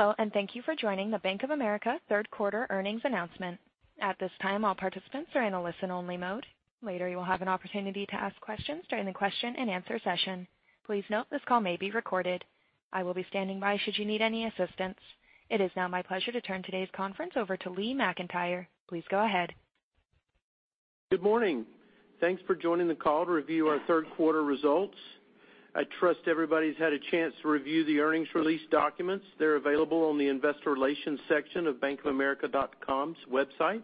Hello, and thank you for joining the Bank of America third quarter earnings announcement. At this time, all participants are in a listen-only mode. Later, you will have an opportunity to ask questions during the question-and-answer session. Please note this call may be recorded. I will be standing by should you need any assistance. It is now my pleasure to turn today's conference over to Lee McEntire. Please go ahead. Good morning. Thanks for joining the call to review our third quarter results. I trust everybody's had a chance to review the earnings release documents. They're available on the investor relations section of bankofamerica.com's website.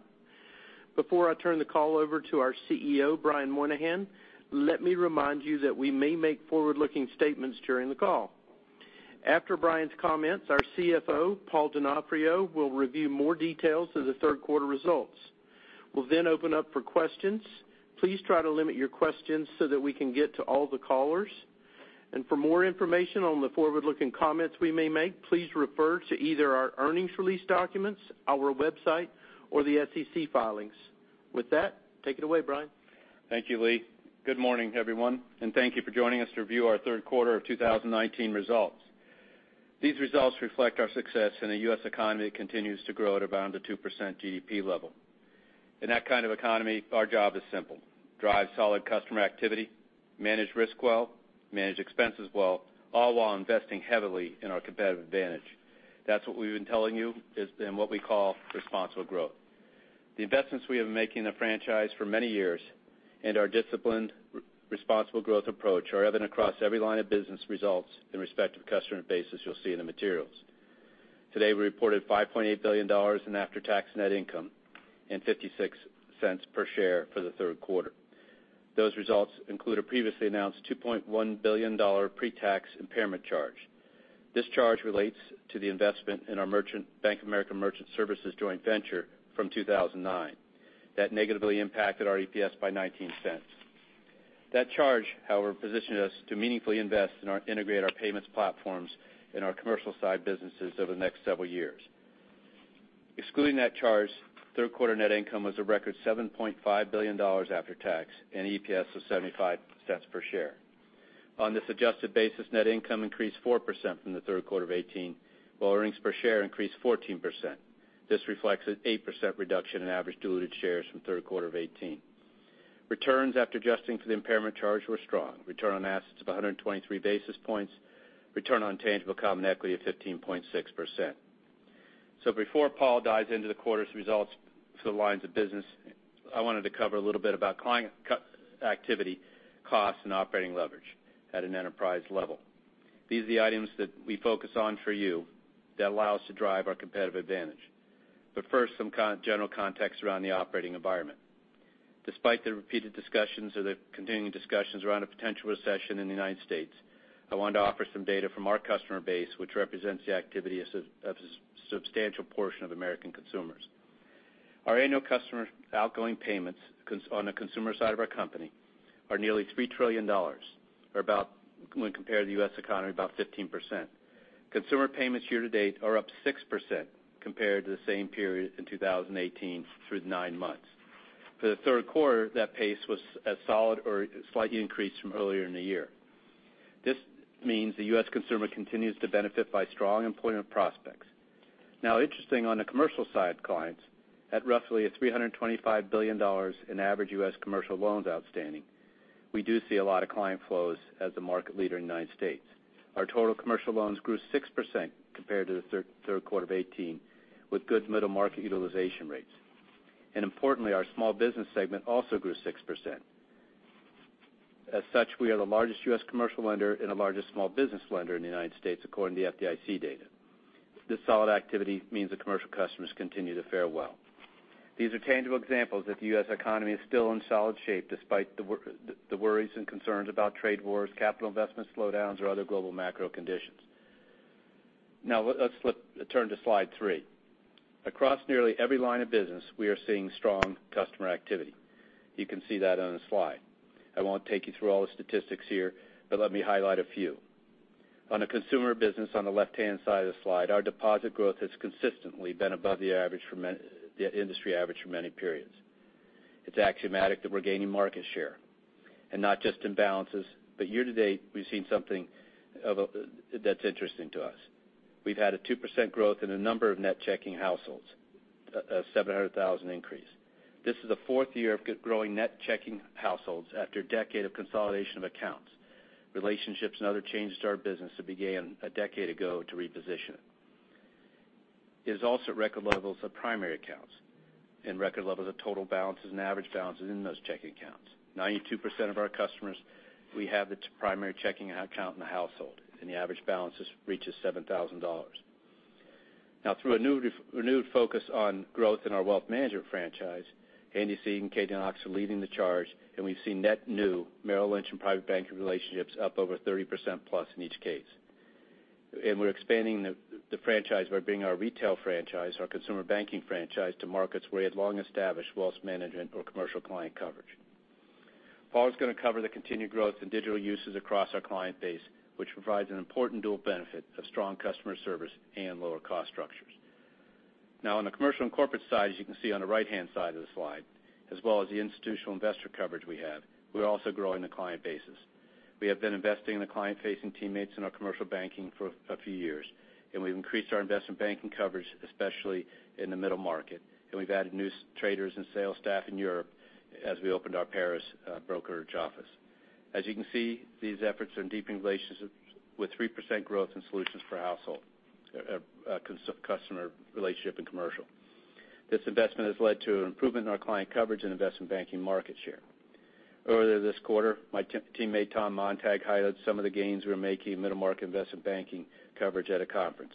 Before I turn the call over to our CEO, Brian Moynihan, let me remind you that we may make forward-looking statements during the call. After Brian's comments, our CFO, Paul Donofrio, will review more details of the third quarter results. We'll open up for questions. Please try to limit your questions so that we can get to all the callers. For more information on the forward-looking comments we may make, please refer to either our earnings release documents, our website, or the SEC filings. With that, take it away, Brian. Thank you, Lee. Good morning, everyone, and thank you for joining us to review our third quarter of 2019 results. These results reflect our success in a US economy that continues to grow at around a 2% GDP level. In that kind of economy, our job is simple. Drive solid customer activity, manage risk well, manage expenses well, all while investing heavily in our competitive advantage. That's what we've been telling you is in what we call responsible growth. The investments we have been making in the franchise for many years and our disciplined, responsible growth approach are evident across every line of business results in respective customer bases you'll see in the materials. Today, we reported $5.8 billion in after-tax net income and $0.56 per share for the third quarter. Those results include a previously announced $2.1 billion pre-tax impairment charge. This charge relates to the investment in our Bank of America Merchant Services joint venture from 2009. That negatively impacted our EPS by $0.19. That charge, however, positioned us to meaningfully invest and integrate our payments platforms in our commercial side businesses over the next several years. Excluding that charge, third quarter net income was a record $7.5 billion after tax, and EPS was $0.75 per share. On this adjusted basis, net income increased 4% from the third quarter of 2018, while earnings per share increased 14%. This reflects an 8% reduction in average diluted shares from the third quarter of 2018. Returns after adjusting for the impairment charge were strong. Return on assets of 123 basis points, return on tangible common equity of 15.6%. Before Paul dives into the quarter's results for the lines of business, I wanted to cover a little bit about client activity, costs, and operating leverage at an enterprise level. These are the items that we focus on for you that allow us to drive our competitive advantage. First, some general context around the operating environment. Despite the repeated discussions or the continuing discussions around a potential recession in the U.S., I wanted to offer some data from our customer base, which represents the activity of a substantial portion of American consumers. Our annual customer outgoing payments on the consumer side of our company are nearly $3 trillion, or when compared to the US economy, about 15%. Consumer payments year-to-date are up 6% compared to the same period in 2018 through the nine months. For the third quarter, that pace was a solid or slightly increased from earlier in the year. This means the US consumer continues to benefit by strong employment prospects. Interesting on the commercial side, clients, at roughly a $325 billion in average US commercial loans outstanding, we do see a lot of client flows as the market leader in the United States. Our total commercial loans grew 6% compared to the third quarter of 2018, with good middle-market utilization rates. Importantly, our small business segment also grew 6%. As such, we are the largest US commercial lender and the largest small business lender in the United States, according to FDIC data. This solid activity means that commercial customers continue to fare well. These are tangible examples that the U.S. economy is still in solid shape despite the worries and concerns about trade wars, capital investment slowdowns, or other global macro conditions. Now, let's turn to slide three. Across nearly every line of business, we are seeing strong customer activity. You can see that on the slide. I won't take you through all the statistics here, but let me highlight a few. On the Consumer Banking, on the left-hand side of the slide, our deposit growth has consistently been above the industry average for many periods. It's axiomatic that we're gaining market share. Not just in balances, but year-to-date, we've seen something that's interesting to us. We've had a 2% growth in the number of net checking households, a 700,000 increase. This is the fourth year of growing net checking households after a decade of consolidation of accounts, relationships, and other changes to our business that began a decade ago to reposition it. It is also at record levels of primary accounts and record levels of total balances and average balances in those checking accounts. 92% of our customers, we have its primary checking account in the household, and the average balance reaches $7,000. Through a renewed focus on growth in our wealth management franchise, Andy Sieg and Katy Knox are leading the charge, and we've seen net new Merrill Lynch and Private Bank relationships up over 30% plus in each case. We're expanding the franchise by bringing our retail franchise, our Consumer Banking franchise, to markets where we had long-established wealth management or commercial client coverage. Paul's going to cover the continued growth in digital usage across our client base, which provides an important dual benefit of strong customer service and lower cost structures. On the commercial and corporate side, as you can see on the right-hand side of the slide, as well as the institutional investor coverage we have, we're also growing the client bases. We have been investing in the client-facing teammates in our commercial banking for a few years, and we've increased our investment banking coverage, especially in the middle market. We've added new traders and sales staff in Europe as we opened our Paris brokerage office. As you can see, these efforts are deepening relationships with 3% growth in solutions for household customer relationship and commercial. This investment has led to an improvement in our client coverage and investment banking market share. Earlier this quarter, my teammate Tom Montag highlighted some of the gains we were making in middle market investment banking coverage at a conference.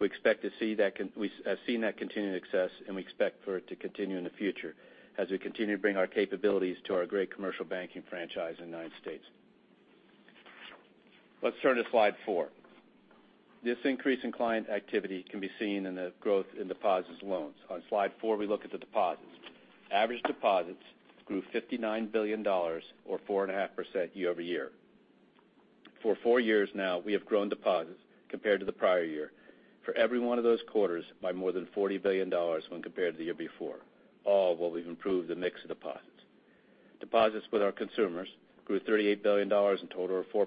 We have seen that continued success, and we expect for it to continue in the future as we continue to bring our capabilities to our great commercial banking franchise in the United States. Let's turn to slide four. This increase in client activity can be seen in the growth in deposits loans. On slide four, we look at the deposits. Average deposits grew $59 billion or 4.5% year-over-year. For four years now, we have grown deposits compared to the prior year for every one of those quarters by more than $40 billion when compared to the year before, all while we've improved the mix of deposits. Deposits with our consumers grew $38 billion in total or 4%,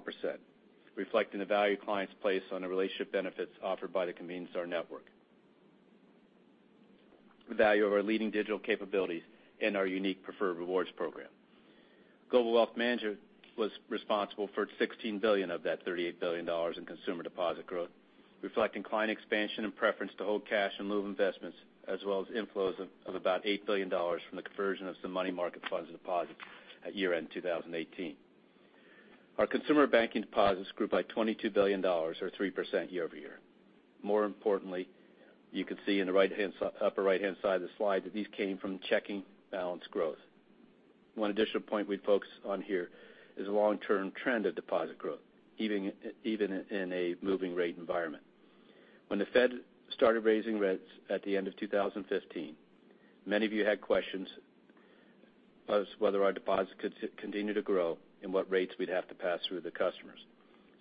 reflecting the value clients place on the relationship benefits offered by the convenience of our network, the value of our leading digital capabilities, and our unique Preferred Rewards program. Global Wealth Manager was responsible for $16 billion of that $38 billion in consumer deposit growth, reflecting client expansion and preference to hold cash and move investments, as well as inflows of about $8 billion from the conversion of some money market funds deposits at year-end 2018. Our Consumer Banking deposits grew by $22 billion or 3% year-over-year. More importantly, you can see in the upper right-hand side of the slide that these came from checking balance growth. One additional point we'd focus on here is the long-term trend of deposit growth, even in a moving rate environment. When the Fed started raising rates at the end of 2015, many of you had questions as whether our deposits could continue to grow and what rates we'd have to pass through the customers.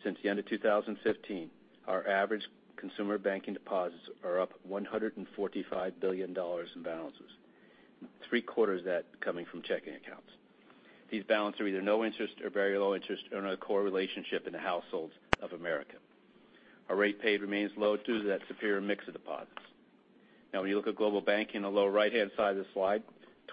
Since the end of 2015, our average Consumer Banking deposits are up $145 billion in balances, three-quarters of that coming from checking accounts. These balances are either no interest or very low interest and are a core relationship in the households of America. Our rate paid remains low due to that superior mix of deposits. When you look at global banking on the lower right-hand side of the slide,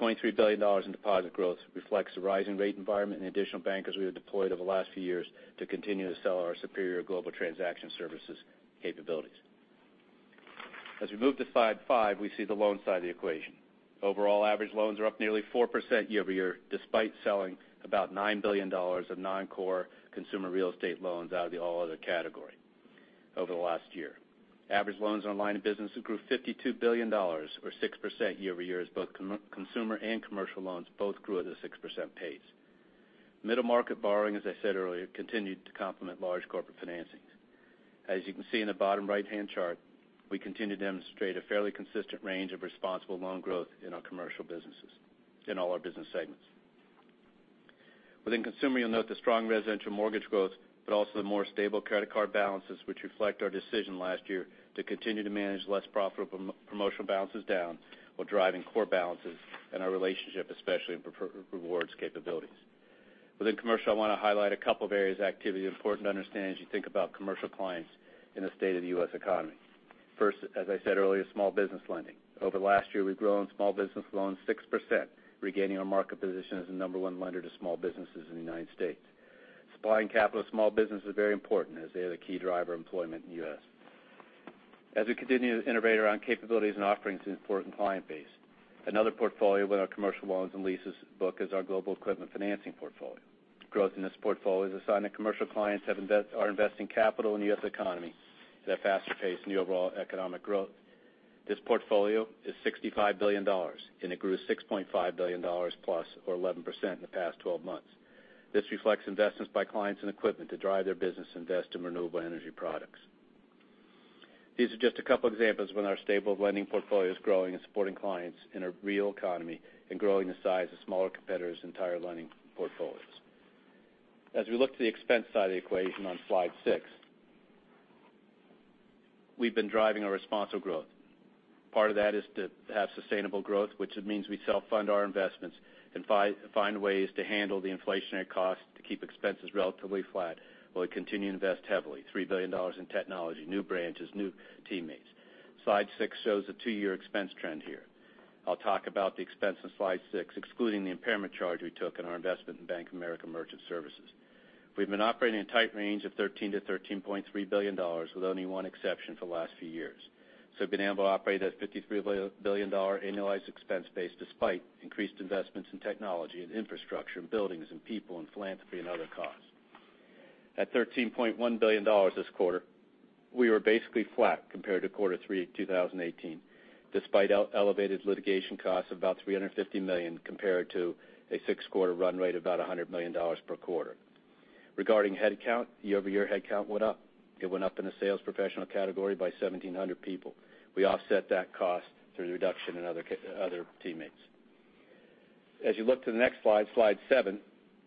$23 billion in deposit growth reflects the rise in rate environment and additional bankers we have deployed over the last few years to continue to sell our superior Global Transaction Services capabilities. We move to slide five, we see the loan side of the equation. Overall average loans are up nearly 4% year-over-year, despite selling about $9 billion of non-core consumer real estate loans out of the all other category over the last year. Average loans on line of business grew $52 billion or 6% year-over-year as both consumer and commercial loans both grew at a 6% pace. Middle market borrowing, as I said earlier, continued to complement large corporate financings. As you can see in the bottom right-hand chart, we continue to demonstrate a fairly consistent range of responsible loan growth in our commercial businesses in all our business segments. Within Consumer, you'll note the strong residential mortgage growth, but also the more stable credit card balances, which reflect our decision last year to continue to manage less profitable promotional balances down while driving core balances and our relationship, especially in Preferred Rewards capabilities. Within commercial, I want to highlight a couple of areas of activity important to understand as you think about commercial clients in the state of the US economy. First, as I said earlier, small business lending. Over the last year, we've grown small business loans 6%, regaining our market position as the number one lender to small businesses in the United States. Supplying capital to small business is very important as they are the key driver of employment in the U.S.,.As we continue to innovate around capabilities and offerings to important client base, another portfolio within our commercial loans and leases book is our global equipment financing portfolio. Growth in this portfolio is a sign that commercial clients are investing capital in the U.S. economy at a faster pace than the overall economic growth. This portfolio is $65 billion. It grew $6.5 billion plus or 11% in the past 12 months. This reflects investments by clients and equipment to drive their business invest in renewable energy products. These are just a couple examples when our stable lending portfolio is growing and supporting clients in a real economy and growing the size of smaller competitors' entire lending portfolios. As we look to the expense side of the equation on slide six, we've been driving a Responsible Growth. Part of that is to have sustainable growth, which means we self-fund our investments and find ways to handle the inflationary cost to keep expenses relatively flat while we continue to invest heavily, $3 billion in technology, new branches, new teammates. Slide six shows a two-year expense trend here. I will talk about the expense on slide six, excluding the impairment charge we took in our investment in Bank of America Merchant Services. We've been operating a tight range of $13 billion-$13.3 billion with only one exception for the last few years. We've been able to operate at a $53 billion annualized expense base despite increased investments in technology and infrastructure and buildings and people and philanthropy and other costs. At $13.1 billion this quarter, we were basically flat compared to quarter three of 2018, despite elevated litigation costs of about $350 million compared to a six-quarter run rate of about $100 million per quarter. Regarding headcount, year-over-year headcount went up. It went up in the sales professional category by 1,700 people. We offset that cost through the reduction in other teammates. As you look to the next slide seven,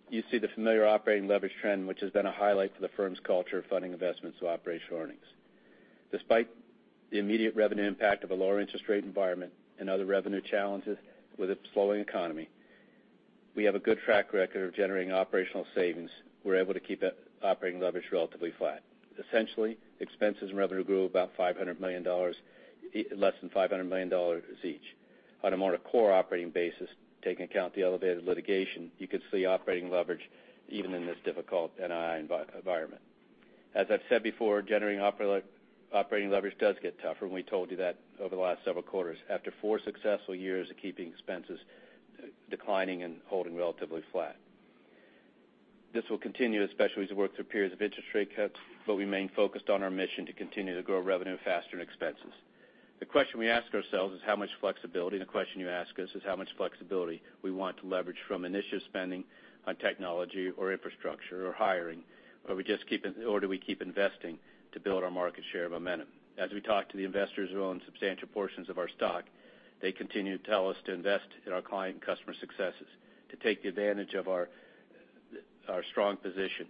you see the familiar operating leverage trend, which has been a highlight for the firm's culture of funding investments to operational earnings. Despite the immediate revenue impact of a lower interest rate environment and other revenue challenges with a slowing economy, we have a good track record of generating operational savings. We're able to keep operating leverage relatively flat. Essentially, expenses and revenue grew less than $500 million each. On a more core operating basis, taking account the elevated litigation, you could see operating leverage even in this difficult NII environment. As I've said before, generating operating leverage does get tougher. We told you that over the last several quarters, after four successful years of keeping expenses declining and holding relatively flat. This will continue, especially as we work through periods of interest rate cuts, but we remain focused on our mission to continue to grow revenue faster than expenses. The question we ask ourselves is how much flexibility, and the question you ask us is how much flexibility we want to leverage from initiative spending on technology or infrastructure or hiring, or do we keep investing to build our market share of momentum. As we talk to the investors who own substantial portions of our stock, they continue to tell us to invest in our client and customer successes, to take advantage of our strong position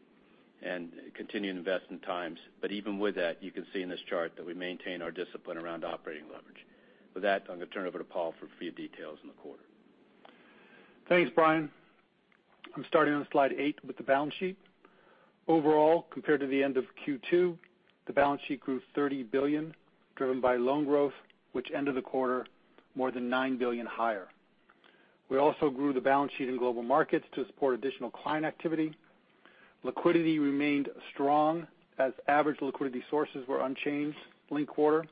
and continue to invest in times. Even with that, you can see in this chart that we maintain our discipline around operating leverage. With that, I'm going to turn it over to Paul for a few details on the quarter. Thanks, Brian. I'm starting on slide eight with the balance sheet. Overall, compared to the end of Q2, the balance sheet grew $30 billion, driven by loan growth, which end of the quarter, more than $9 billion higher. We also grew the balance sheet in Global Markets to support additional client activity. Liquidity remained strong, as average liquidity sources were unchanged linked-quarter.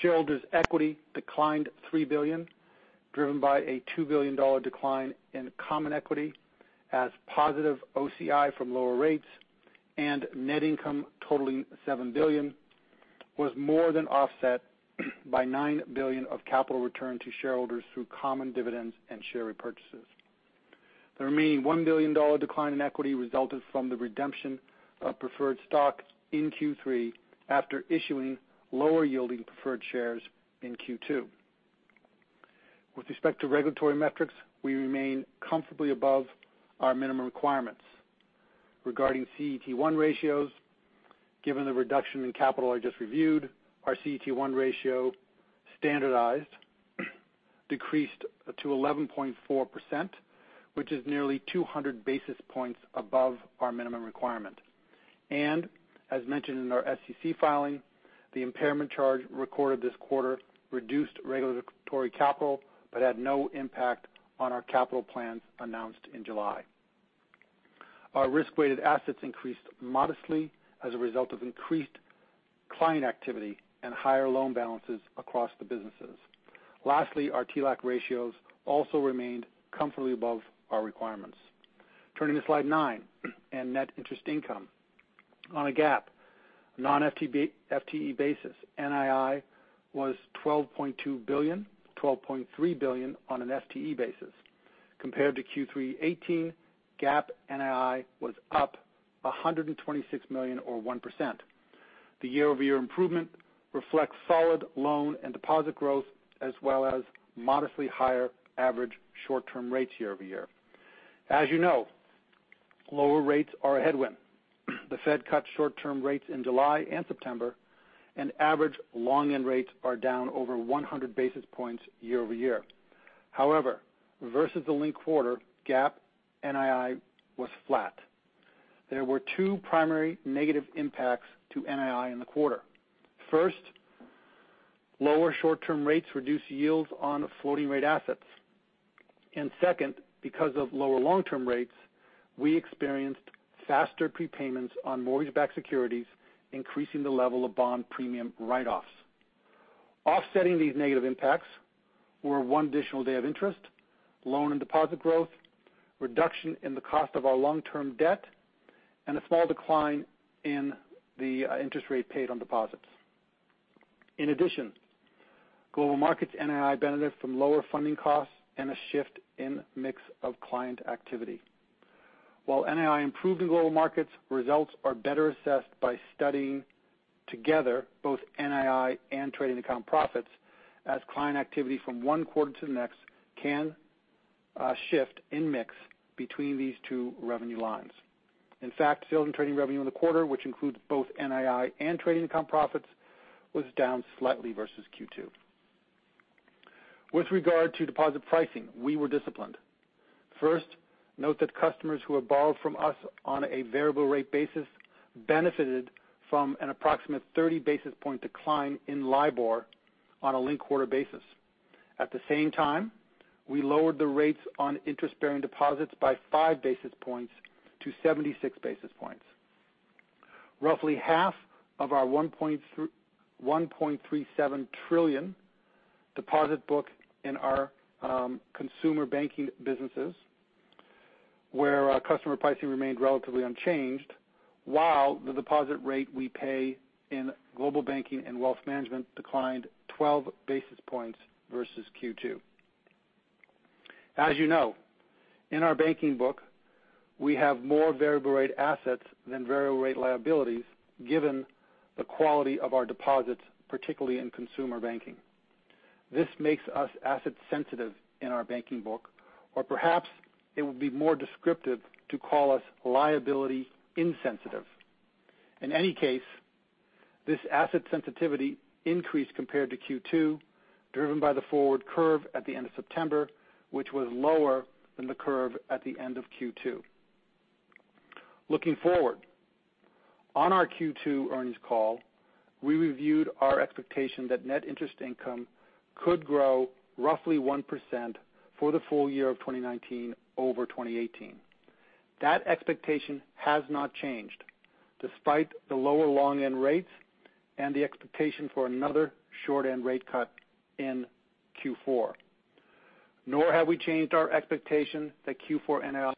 Shareholders' equity declined $3 billion, driven by a $2 billion decline in common equity, as positive OCI from lower rates and net income totaling $7 billion was more than offset by $9 billion of capital return to shareholders through common dividends and share repurchases. The remaining $1 billion decline in equity resulted from the redemption of preferred stocks in Q3 after issuing lower-yielding preferred shares in Q2. With respect to regulatory metrics, we remain comfortably above our minimum requirements. Regarding CET1 ratios, given the reduction in capital I just reviewed, our CET1 ratio standardized decreased to 11.4%, which is nearly 200 basis points above our minimum requirement. As mentioned in our SEC filing, the impairment charge recorded this quarter reduced regulatory capital but had no impact on our capital plans announced in July. Our risk-weighted assets increased modestly as a result of increased client activity and higher loan balances across the businesses. Lastly, our TLAC ratios also remained comfortably above our requirements. Turning to slide nine, and net interest income. On a GAAP, non-FTE basis, NII was $12.2 billion, $12.3 billion on an FTE basis. Compared to Q3 2018, GAAP NII was up $126 million, or 1%. The year-over-year improvement reflects solid loan and deposit growth, as well as modestly higher average short-term rates year-over-year. As you know, lower rates are a headwind. The Fed cut short-term rates in July and September. Average long end rates are down over 100 basis points year-over-year. However, versus the linked quarter, GAAP NII was flat. There were two primary negative impacts to NII in the quarter. First, lower short-term rates reduced yields on floating rate assets. Second, because of lower long-term rates, we experienced faster prepayments on mortgage-backed securities, increasing the level of bond premium write-offs. Offsetting these negative impacts were one additional day of interest, loan and deposit growth, reduction in the cost of our long-term debt, and a small decline in the interest rate paid on deposits. In addition, Global Markets NII benefited from lower funding costs and a shift in mix of client activity. While NII improved in Global Markets, results are better assessed by studying together both NII and trading account profits as client activity from one quarter to the next can shift in mix between these two revenue lines. In fact, sales and trading revenue in the quarter, which includes both NII and trading account profits, was down slightly versus Q2. With regard to deposit pricing, we were disciplined. First, note that customers who have borrowed from us on a variable rate basis benefited from an approximate 30 basis point decline in LIBOR on a linked-quarter basis. At the same time, we lowered the rates on interest-bearing deposits by five basis points to 76 basis points. Roughly half of our $1.37 trillion deposit book in our Consumer Banking businesses, where our customer pricing remained relatively unchanged, while the deposit rate we pay in global banking and Wealth Management declined 12 basis points versus Q2. As you know, in our banking book, we have more variable rate assets than variable rate liabilities, given the quality of our deposits, particularly in Consumer Banking. This makes us asset sensitive in our banking book, or perhaps it would be more descriptive to call us liability insensitive. In any case, this asset sensitivity increased compared to Q2, driven by the forward curve at the end of September, which was lower than the curve at the end of Q2. Looking forward, on our Q2 earnings call, we reviewed our expectation that Net Interest Income could grow roughly 1% for the full year of 2019 over 2018. That expectation has not changed, despite the lower long end rates and the expectation for another short end rate cut in Q4. Nor have we changed our expectation that Q4 NII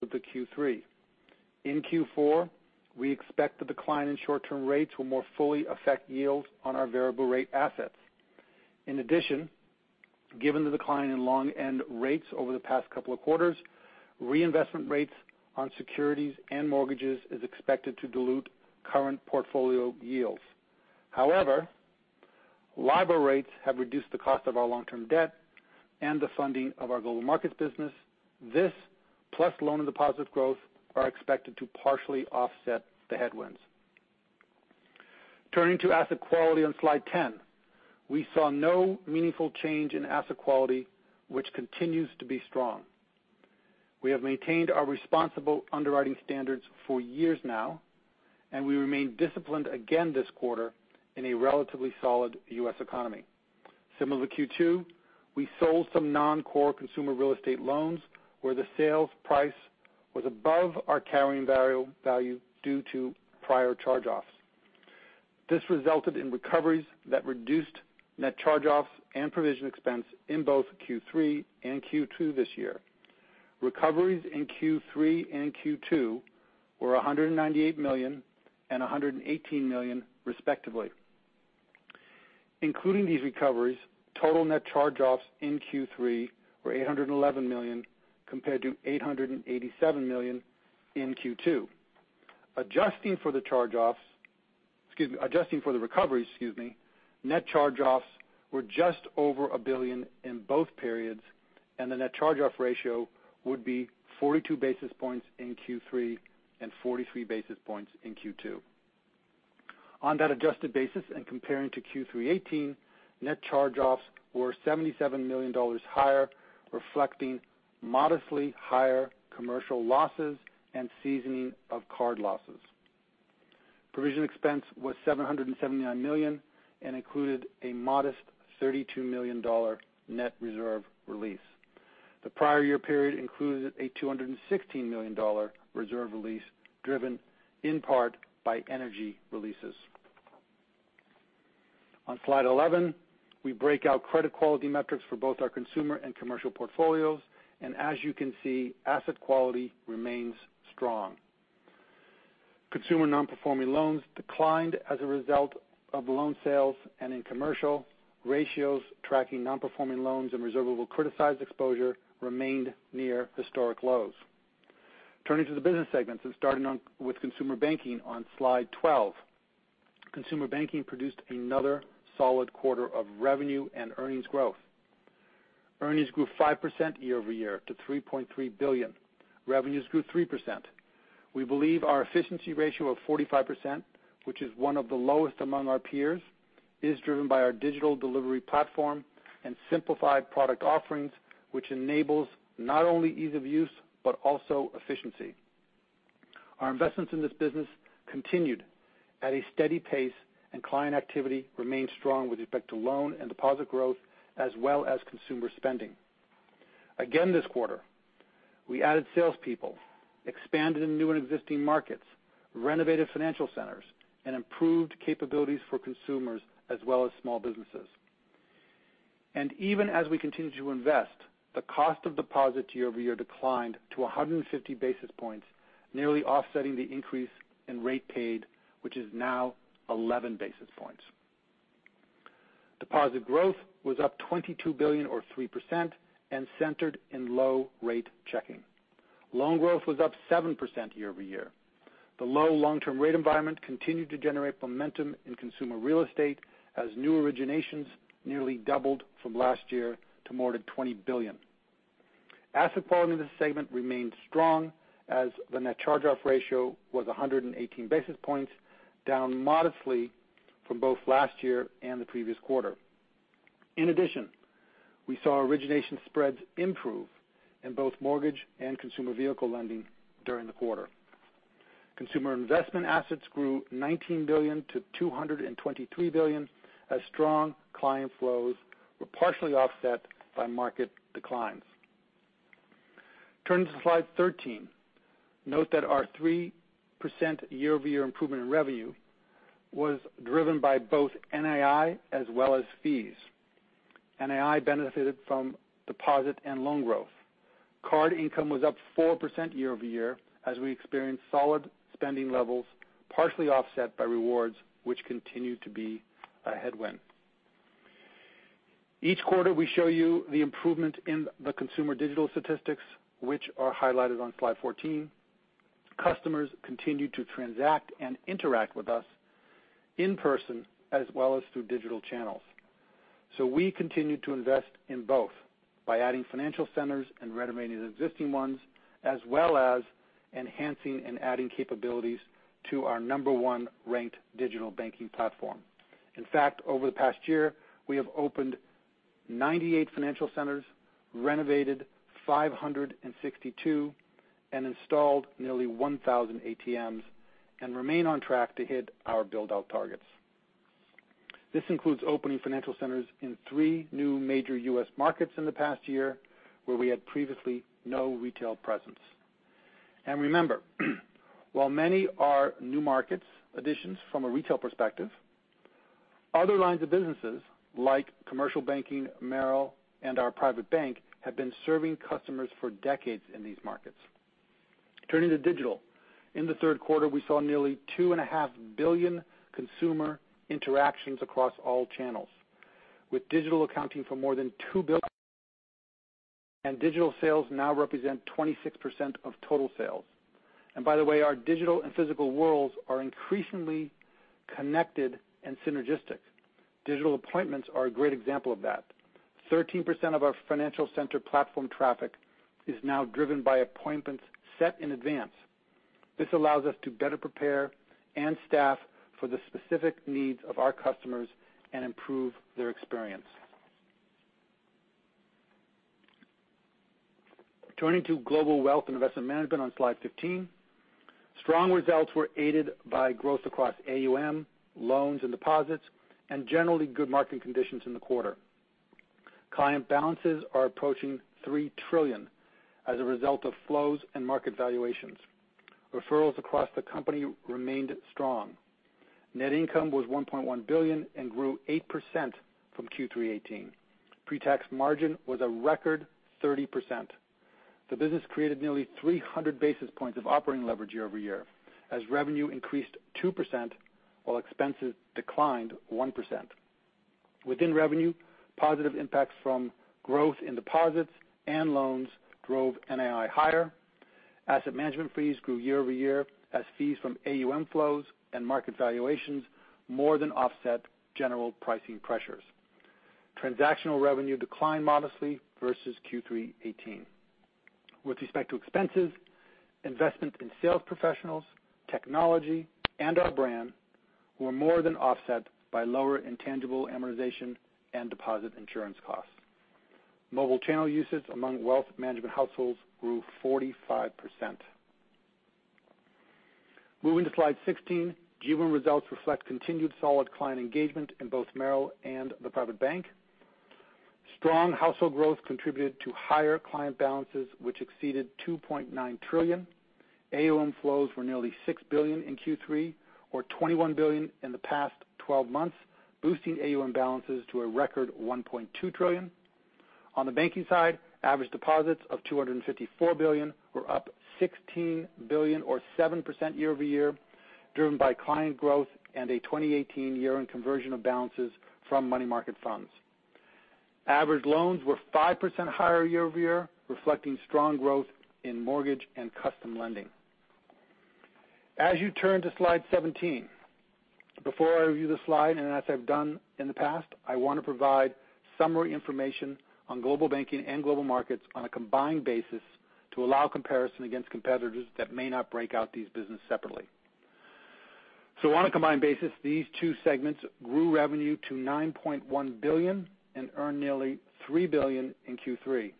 with the Q3. In Q4, we expect the decline in short-term rates will more fully affect yields on our variable rate assets. In addition, given the decline in long end rates over the past couple of quarters, reinvestment rates on securities and mortgages is expected to dilute current portfolio yields. However, LIBOR rates have reduced the cost of our long-term debt and the funding of our Global Markets business. This, plus loan and deposit growth, are expected to partially offset the headwinds. Turning to asset quality on slide 10. We saw no meaningful change in asset quality, which continues to be strong. We have maintained our responsible underwriting standards for years now, and we remain disciplined again this quarter in a relatively solid U.S. economy. Similar to Q2, we sold some non-core consumer real estate loans where the sales price was above our carrying value due to prior charge-offs. This resulted in recoveries that reduced net charge-offs and provision expense in both Q3 and Q2 this year. Recoveries in Q3 and Q2 were $198 million and $118 million respectively. Including these recoveries, total net charge-offs in Q3 were $811 million compared to $887 million in Q2. Adjusting for the recoveries, net charge-offs were just over $1 billion in both periods, and the net charge-off ratio would be 42 basis points in Q3 and 43 basis points in Q2. On that adjusted basis and comparing to Q3 2018, net charge-offs were $77 million higher, reflecting modestly higher commercial losses and seasoning of card losses. Provision expense was $779 million and included a modest $32 million net reserve release. The prior year period included a $216 million reserve release, driven in part by energy releases. On slide 11, we break out credit quality metrics for both our consumer and commercial portfolios. As you can see, asset quality remains strong. Consumer non-performing loans declined as a result of loan sales. In commercial, ratios tracking non-performing loans and reservable criticized exposure remained near historic lows. Turning to the business segments. Starting with Consumer Banking on slide 12. Consumer Banking produced another solid quarter of revenue and earnings growth. Earnings grew 5% year-over-year to $3.3 billion. Revenues grew 3%. We believe our efficiency ratio of 45%, which is one of the lowest among our peers, is driven by our digital delivery platform and simplified product offerings, which enables not only ease of use, but also efficiency. Our investments in this business continued at a steady pace. Client activity remained strong with respect to loan and deposit growth, as well as consumer spending. Again this quarter, we added salespeople, expanded in new and existing markets, renovated financial centers, and improved capabilities for consumers as well as small businesses. Even as we continued to invest, the cost of deposits year-over-year declined to 150 basis points, nearly offsetting the increase in rate paid, which is now 11 basis points. Deposit growth was up $22 billion or 3% and centered in low rate checking. Loan growth was up 7% year-over-year. The low long-term rate environment continued to generate momentum in consumer real estate as new originations nearly doubled from last year to more than $20 billion. Asset quality in this segment remained strong as the net charge-off ratio was 118 basis points, down modestly from both last year and the previous quarter. In addition, we saw origination spreads improve in both mortgage and consumer vehicle lending during the quarter. Consumer investment assets grew $19 billion to $223 billion as strong client flows were partially offset by market declines. Turning to slide 13. Note that our 3% year-over-year improvement in revenue was driven by both NII as well as fees. NII benefited from deposit and loan growth. Card income was up 4% year-over-year as we experienced solid spending levels, partially offset by rewards, which continued to be a headwind. Each quarter, we show you the improvement in the consumer digital statistics, which are highlighted on slide 14. Customers continue to transact and interact with us in person as well as through digital channels. We continue to invest in both by adding financial centers and renovating existing ones, as well as enhancing and adding capabilities to our number one ranked digital banking platform. In fact, over the past year, we have opened 98 financial centers, renovated 562, and installed nearly 1,000 ATMs, and remain on track to hit our build-out targets. This includes opening financial centers in three new major US markets in the past year, where we had previously no retail presence. Remember, while many are new markets additions from a retail perspective, other lines of businesses, like commercial banking, Merrill, and our Private Bank, have been serving customers for decades in these markets. Turning to digital. In the third quarter, we saw nearly 2.5 billion consumer interactions across all channels, with digital accounting for more than 2 billion, and digital sales now represent 26% of total sales. By the way, our digital and physical worlds are increasingly connected and synergistic. Digital appointments are a great example of that. 13% of our financial center platform traffic is now driven by appointments set in advance. This allows us to better prepare and staff for the specific needs of our customers and improve their experience. Turning to Global Wealth and Investment Management on slide 15. Strong results were aided by growth across AUM, loans, and deposits, and generally good market conditions in the quarter. Client balances are approaching 3 trillion as a result of flows and market valuations. Referrals across the company remained strong. Net income was $1.1 billion and grew 8% from Q3 2018. Pre-tax margin was a record 30%. The business created nearly 300 basis points of operating leverage year-over-year, as revenue increased 2% while expenses declined 1%. Within revenue, positive impacts from growth in deposits and loans drove NII higher. Asset management fees grew year-over-year as fees from AUM flows and market valuations more than offset general pricing pressures. Transactional revenue declined modestly versus Q3 2018. With respect to expenses, investment in sales professionals, technology, and our brand were more than offset by lower intangible amortization and deposit insurance costs. Mobile channel usage among wealth management households grew 45%. Moving to slide 16. GBWM results reflect continued solid client engagement in both Merrill and the private bank. Strong household growth contributed to higher client balances, which exceeded $2.9 trillion. AUM flows were nearly $6 billion in Q3, or $21 billion in the past 12 months, boosting AUM balances to a record $1.2 trillion. On the banking side, average deposits of $254 billion were up $16 billion, or 7% year-over-year, driven by client growth and a 2018 year-end conversion of balances from money market funds. Average loans were 5% higher year-over-year, reflecting strong growth in mortgage and custom lending. As you turn to slide 17, before I review the slide, and as I've done in the past, I want to provide summary information on Global Banking and Global Markets on a combined basis to allow comparison against competitors that may not break out these business separately. On a combined basis, these two segments grew revenue to $9.1 billion and earned nearly $3 billion in Q3,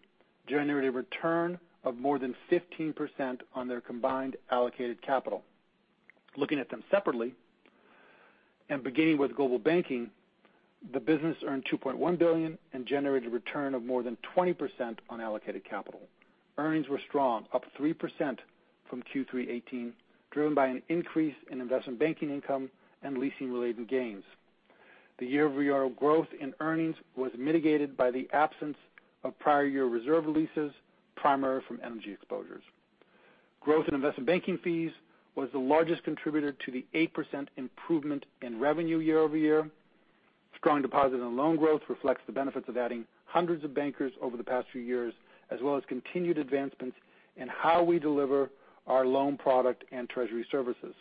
generating return of more than 15% on their combined allocated capital. Looking at them separately, and beginning with Global Banking, the business earned $2.1 billion and generated return of more than 20% on allocated capital. Earnings were strong, up 3% from Q3 2018, driven by an increase in investment banking income and leasing-related gains. The year-over-year growth in earnings was mitigated by the absence of prior year reserve releases, primarily from energy exposures. Growth in investment banking fees was the largest contributor to the 8% improvement in revenue year-over-year. Strong deposit and loan growth reflects the benefits of adding hundreds of bankers over the past few years, as well as continued advancements in how we deliver our loan product and treasury services.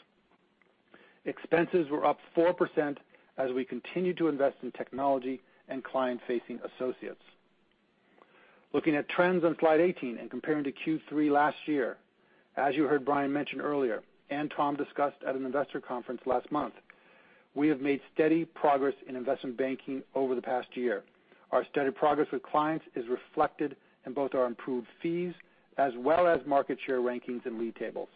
Expenses were up 4% as we continued to invest in technology and client-facing associates. Looking at trends on slide 18 and comparing to Q3 last year, as you heard Brian mention earlier and Tom discussed at an investor conference last month, we have made steady progress in investment banking over the past year. Our steady progress with clients is reflected in both our improved fees, as well as market share rankings and lead tables.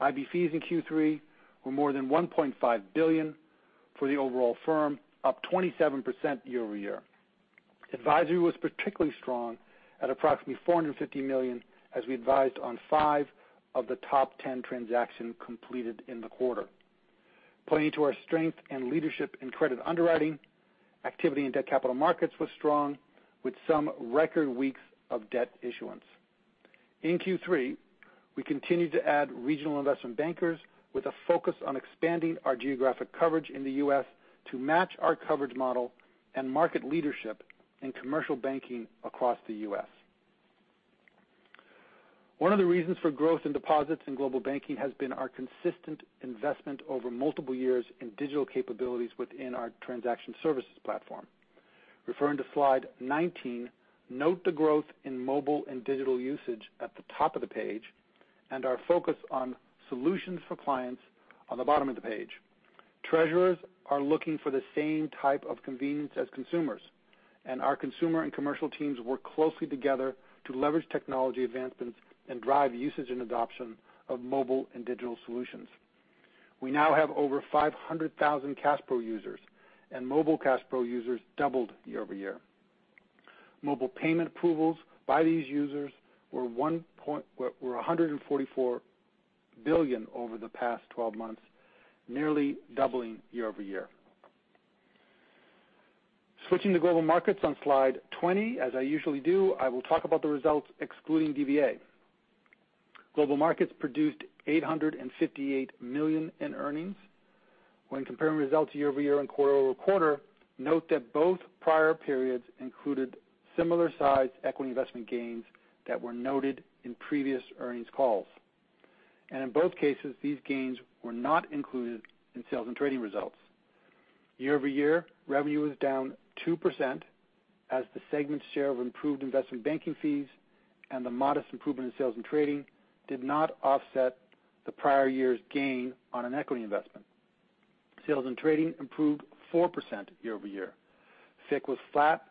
IB fees in Q3 were more than $1.5 billion for the overall firm, up 27% year-over-year. Advisory was particularly strong at approximately $450 million, as we advised on five of the top 10 transactions completed in the quarter. Pointing to our strength and leadership in credit underwriting, activity in debt capital markets was strong, with some record weeks of debt issuance. In Q3, we continued to add regional investment bankers with a focus on expanding our geographic coverage in the U.S. to match our coverage model and market leadership in commercial banking across the U.S. One of the reasons for growth in deposits in Global Banking has been our consistent investment over multiple years in digital capabilities within our transaction services platform. Referring to slide 19, note the growth in mobile and digital usage at the top of the page and our focus on solutions for clients on the bottom of the page. Treasurers are looking for the same type of convenience as consumers. Our consumer and commercial teams work closely together to leverage technology advancements and drive usage and adoption of mobile and digital solutions. We now have over 500,000 CashPro users. Mobile CashPro users doubled year-over-year. Mobile payment approvals by these users were $144 billion over the past 12 months, nearly doubling year-over-year. Switching to Global Markets on slide 20, as I usually do, I will talk about the results excluding DVA. Global Markets produced $858 million in earnings. When comparing results year-over-year and quarter-over-quarter, note that both prior periods included similar-sized equity investment gains that were noted in previous earnings calls. In both cases, these gains were not included in sales and trading results. Year-over-year, revenue was down 2% as the segment's share of improved investment banking fees and the modest improvement in sales and trading did not offset the prior year's gain on an equity investment. Sales and trading improved 4% year-over-year. FICC was flat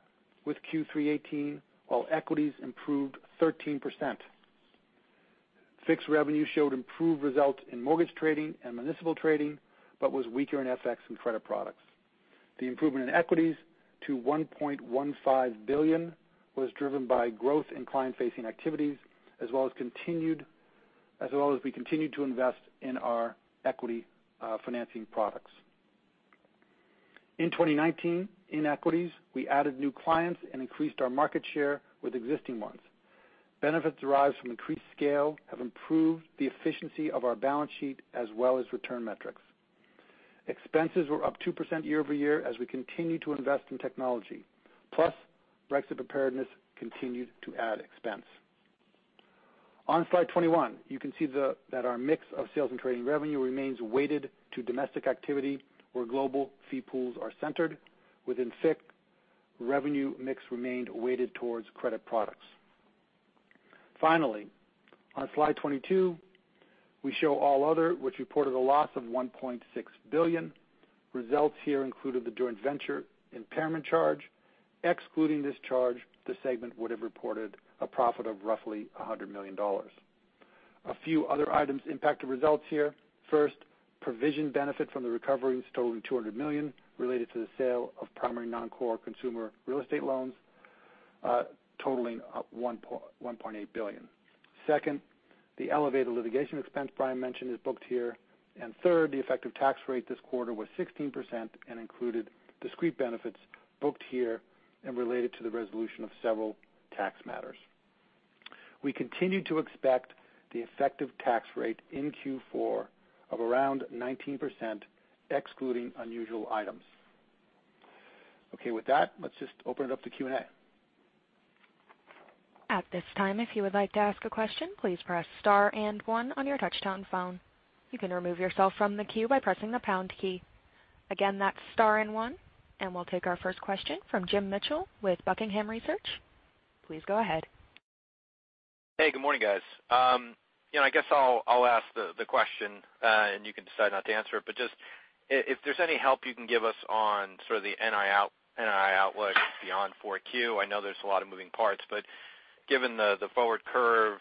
with Q3 '18, while equities improved 13%. FICC's revenue showed improved results in mortgage trading and municipal trading but was weaker in FX and credit products. The improvement in equities to $1.15 billion was driven by growth in client-facing activities, as well as we continued to invest in our equity financing products. In 2019, in equities, we added new clients and increased our market share with existing ones. Benefits derived from increased scale have improved the efficiency of our balance sheet as well as return metrics. Expenses were up 2% year-over-year as we continued to invest in technology. Brexit preparedness continued to add expense. On slide 21, you can see that our mix of sales and trading revenue remains weighted to domestic activity where global fee pools are centered. Within FICC, revenue mix remained weighted towards credit products. Finally, on slide 22, we show All Other, which reported a loss of $1.6 billion. Results here included the joint venture impairment charge. Excluding this charge, the segment would've reported a profit of roughly $100 million. A few other items impacted results here. First, provision benefit from the recoveries totaling $200 million related to the sale of primary non-core consumer real estate loans, totaling $1.8 billion. Second, the elevated litigation expense Brian mentioned is booked here. Third, the effective tax rate this quarter was 16% and included discrete benefits booked here and related to the resolution of several tax matters. We continue to expect the effective tax rate in Q4 of around 19%, excluding unusual items. Okay. With that, let's just open it up to Q&A. At this time, if you would like to ask a question, please press star and one on your touch-tone phone. You can remove yourself from the queue by pressing the pound key. Again, that's star and one. We'll take our first question from James Mitchell with Buckingham Research. Please go ahead. Hey, good morning, guys. I guess I'll ask the question, and you can decide not to answer it. Just if there's any help you can give us on sort of the NII outlook beyond 4Q. I know there's a lot of moving parts, given the forward curve,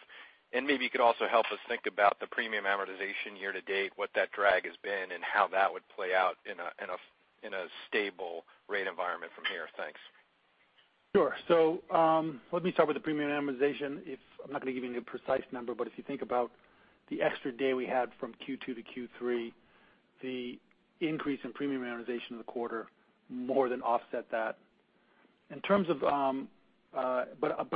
maybe you could also help us think about the premium amortization year to date, what that drag has been, and how that would play out in a stable rate environment from here. Thanks. Sure. Let me start with the premium amortization. I'm not going to give you a precise number, but if you think about the extra 1 day we had from Q2 to Q3, the increase in premium amortization in the quarter more than offset that.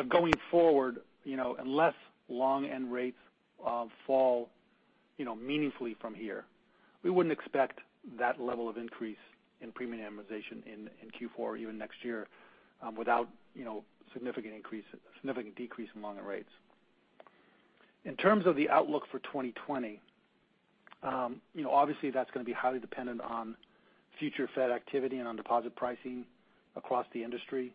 Going forward, unless long-end rates fall meaningfully from here, we wouldn't expect that level of increase in premium amortization in Q4 or even next year without significant decrease in longer rates. In terms of the outlook for 2020, obviously that's going to be highly dependent on future Fed activity and on deposit pricing across the industry.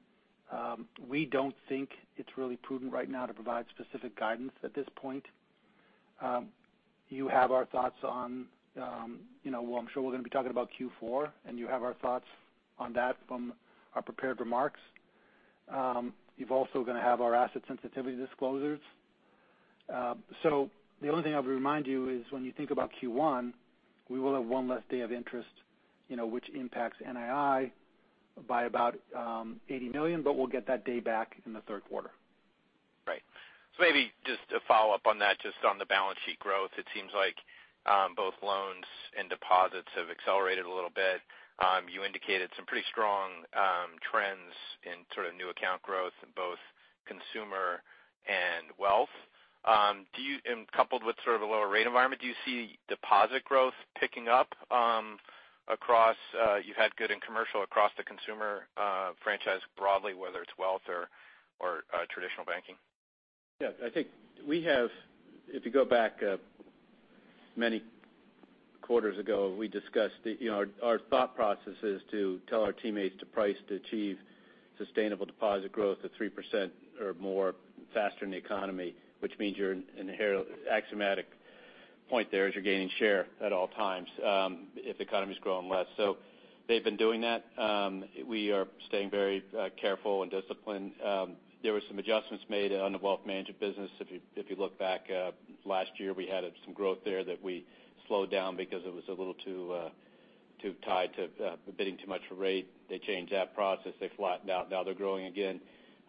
We don't think it's really prudent right now to provide specific guidance at this point. You have our thoughts well, I'm sure we're going to be talking about Q4, and you have our thoughts on that from our prepared remarks. You've also going to have our asset sensitivity disclosures. The only thing I would remind you is when you think about Q1, we will have one less day of interest which impacts NII by about $80 million, but we'll get that day back in the third quarter. Right. Maybe just to follow up on that, just on the balance sheet growth, it seems like both loans and deposits have accelerated a little bit. You indicated some pretty strong trends in sort of new account growth in both consumer and Wealth. Coupled with sort of a lower rate environment, do you see deposit growth picking up across the Consumer franchise broadly, whether it's Wealth or traditional banking? I think we have, if you go back many quarters ago, we discussed our thought process is to tell our teammates to price to achieve sustainable deposit growth of 3% or more faster than the economy, which means your axiomatic point there is you're gaining share at all times, if the economy's growing less. They've been doing that. We are staying very careful and disciplined. There were some adjustments made on the wealth management business. If you look back, last year, we had some growth there that we slowed down because it was a little too tied to bidding too much for rate. They changed that process. They flattened out. Now they're growing again.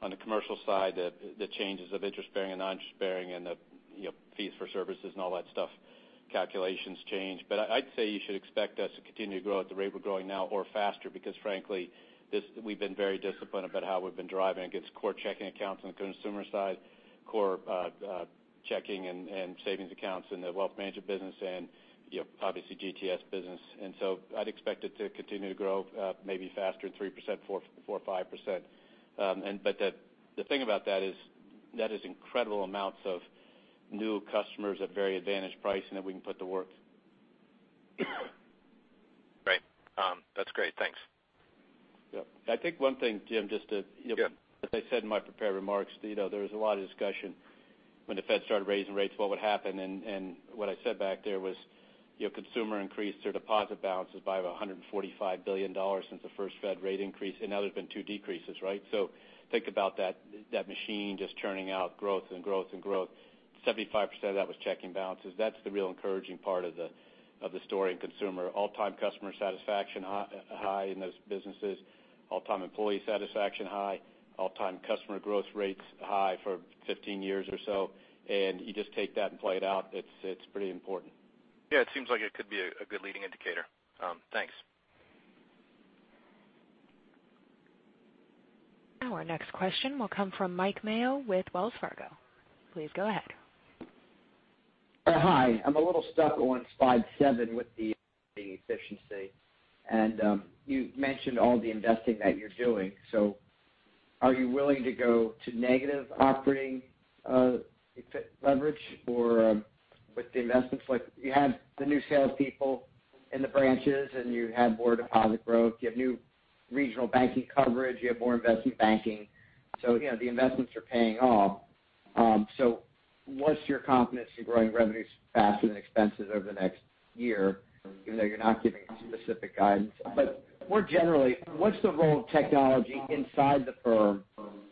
On the commercial side, the changes of interest-bearing and non-interest bearing and the fees for services and all that stuff, calculations change. I'd say you should expect us to continue to grow at the rate we're growing now or faster because frankly, we've been very disciplined about how we've been driving against core checking accounts on the Consumer side, core checking and savings accounts in the Wealth Management business and obviously GTS business. I'd expect it to continue to grow maybe faster than 3%, 4%, 5%. The thing about that is, that is incredible amounts of new customers at very advantaged pricing that we can put to work. Great. That's great. Thanks. Yep. I think one thing, James. Yep As I said in my prepared remarks, there was a lot of discussion when the Fed started raising rates, what would happen, and what I said back there was, Consumer increased their deposit balances by $145 billion since the first Fed rate increase, and now there's been two decreases, right? Think about that machine just churning out growth and growth and growth. 75% of that was checking balances. That's the real encouraging part of the story in Consumer. All-time customer satisfaction high in those businesses. All-time employee satisfaction high. All-time customer growth rates high for 15 years or so. You just take that and play it out. It's pretty important. Yeah. It seems like it could be a good leading indicator. Thanks. Our next question will come from Mike Mayo with Wells Fargo. Please go ahead. Hi. I'm a little stuck on slide seven with the efficiency. You mentioned all the investing that you're doing. Are you willing to go to negative operating leverage, or with the investments, like you have the new salespeople in the branches, you have more deposit growth, you have new regional banking coverage, you have more investment banking? The investments are paying off. What's your confidence in growing revenues faster than expenses over the next year, even though you're not giving specific guidance? More generally, what's the role of technology inside the firm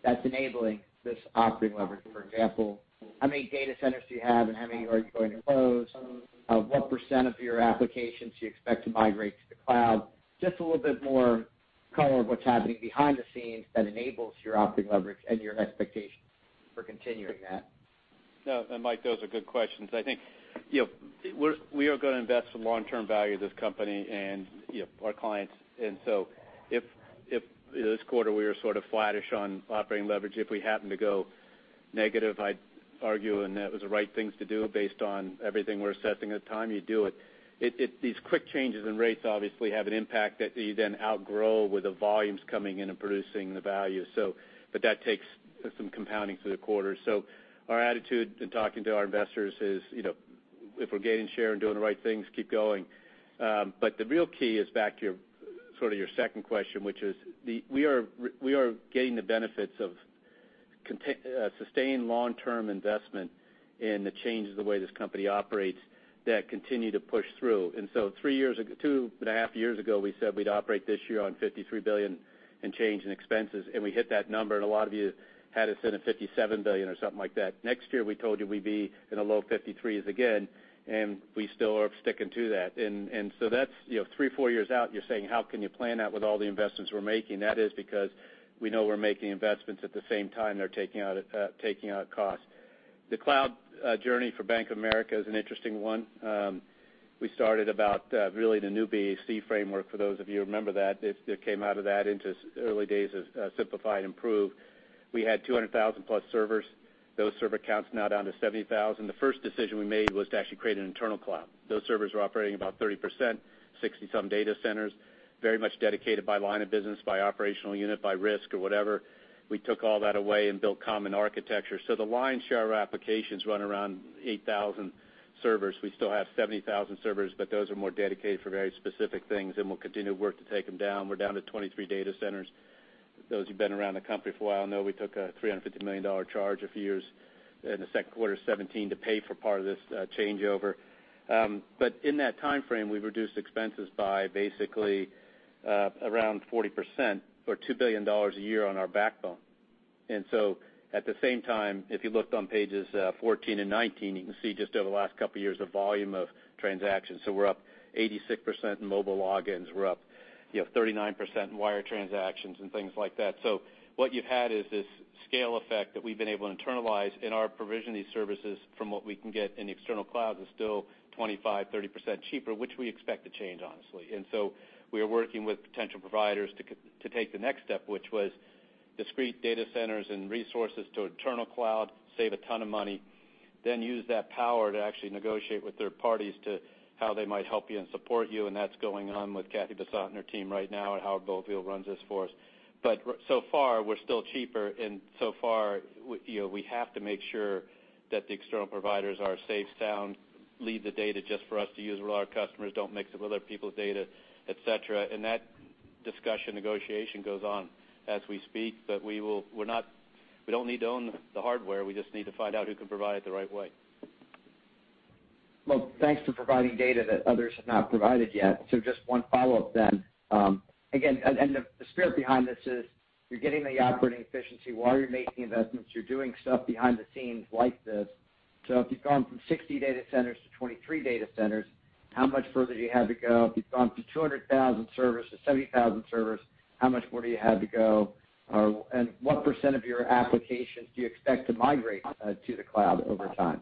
that's enabling this operating leverage? For example, how many data centers do you have and how many are you going to close? What % of your applications do you expect to migrate to the cloud? Just a little bit more color of what's happening behind the scenes that enables your operating leverage and your expectations for continuing that. No. Mike, those are good questions. I think we are going to invest for long-term value of this company and our clients. If this quarter we were sort of flattish on operating leverage, if we happen to go negative, I'd argue and that was the right things to do based on everything we're assessing at the time you do it. These quick changes in rates obviously have an impact that you then outgrow with the volumes coming in and producing the value. That takes some compounding through the quarter. Our attitude in talking to our investors is, if we're gaining share and doing the right things, keep going. The real key is back to your second question, which is we are gaining the benefits of sustained long-term investment in the changes the way this company operates that continue to push through. Two and a half years ago, we said we'd operate this year on $53 billion and change in expenses, and we hit that number, and a lot of you had us in at $57 billion or something like that. Next year, we told you we'd be in the low 53s again, and we still are sticking to that. That's three, four years out, and you're saying, how can you plan out with all the investments we're making? That is because we know we're making investments at the same time they're taking out cost. The cloud journey for Bank of America is an interesting one. We started about really the new BAC framework for those of you who remember that. It came out of that into early days of Simplify and Improve. We had 200,000 plus servers. Those server counts are now down to 70,000. The first decision we made was to actually create an internal cloud. Those servers were operating about 30%, 60-some data centers, very much dedicated by line of business, by operational unit, by risk or whatever. We took all that away and built common architecture. The lion's share of our applications run around 8,000 servers. We still have 70,000 servers, but those are more dedicated for very specific things, and we'll continue to work to take them down. We're down to 23 data centers. Those who've been around the company for a while know we took a $350 million charge a few years in the second quarter of 2017 to pay for part of this changeover. In that timeframe, we've reduced expenses by basically around 40% or $2 billion a year on our backbone. At the same time, if you looked on pages 14 and 19, you can see just over the last couple of years the volume of transactions. We're up 86% in mobile logins. We're up 39% in wire transactions and things like that. What you've had is this scale effect that we've been able to internalize in our provision these services from what we can get in the external cloud is still 25%, 30% cheaper, which we expect to change, honestly. We are working with potential providers to take the next step, which was discrete data centers and resources to external cloud, save a ton of money, then use that power to actually negotiate with third parties to how they might help you and support you, and that's going on with Cathy Bessant and her team right now, and Howard Boville runs this for us. So far, we're still cheaper, and so far, we have to make sure that the external providers are safe, sound, leave the data just for us to use with our customers, don't mix it with other people's data, et cetera. That discussion negotiation goes on as we speak. We don't need to own the hardware. We just need to find out who can provide it the right way. Well, thanks for providing data that others have not provided yet. Just one follow-up. Again, the spirit behind this is you're getting the operating efficiency while you're making investments. You're doing stuff behind the scenes like this. If you've gone from 60 data centers to 23 data centers, how much further do you have to go? If you've gone from 200,000 servers to 70,000 servers, how much more do you have to go? What % of your applications do you expect to migrate to the cloud over time?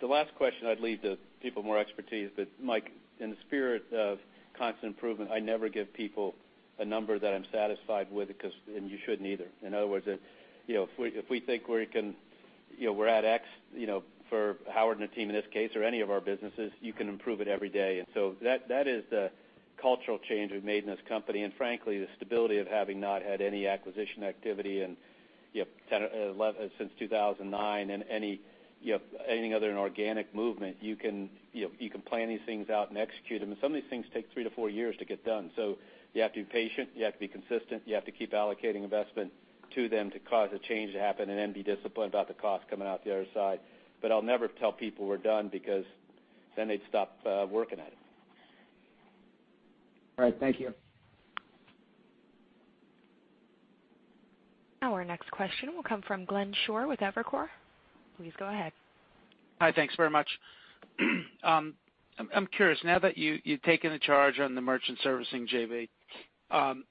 The last question I'd leave to people with more expertise. Mike, in the spirit of constant improvement, I never give people a number that I'm satisfied with, and you shouldn't either. In other words, if we think we're at X for Howard and the team in this case or any of our businesses, you can improve it every day. That is the cultural change we've made in this company. Frankly, the stability of having not had any acquisition activity since 2009 and anything other than organic movement, you can plan these things out and execute them. Some of these things take three to four years to get done. You have to be patient. You have to be consistent. You have to keep allocating investment to them to cause a change to happen and then be disciplined about the cost coming out the other side. I'll never tell people we're done because then they'd stop working at it. All right. Thank you. Our next question will come from Glenn Schorr with Evercore. Please go ahead. Hi. Thanks very much. I'm curious, now that you've taken the charge on the Merchant Servicing JV, I'm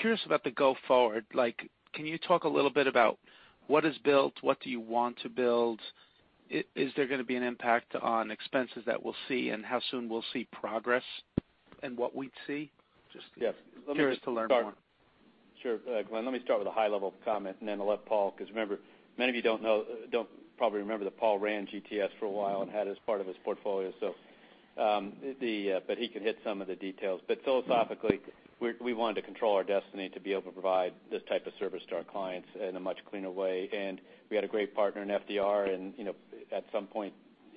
curious about the go forward. Can you talk a little bit about what is built? What do you want to build? Is there going to be an impact on expenses that we'll see, and how soon we'll see progress in what we'd see? Yes. Curious to learn more. Sure. Glenn, let me start with a high-level comment. Then I'll let Paul, because remember, many of you don't probably remember that Paul ran GTS for a while and had as part of his portfolio. He can hit some of the details. Philosophically, we wanted to control our destiny to be able to provide this type of service to our clients in a much cleaner way. We had a great partner in FDR, and at some point,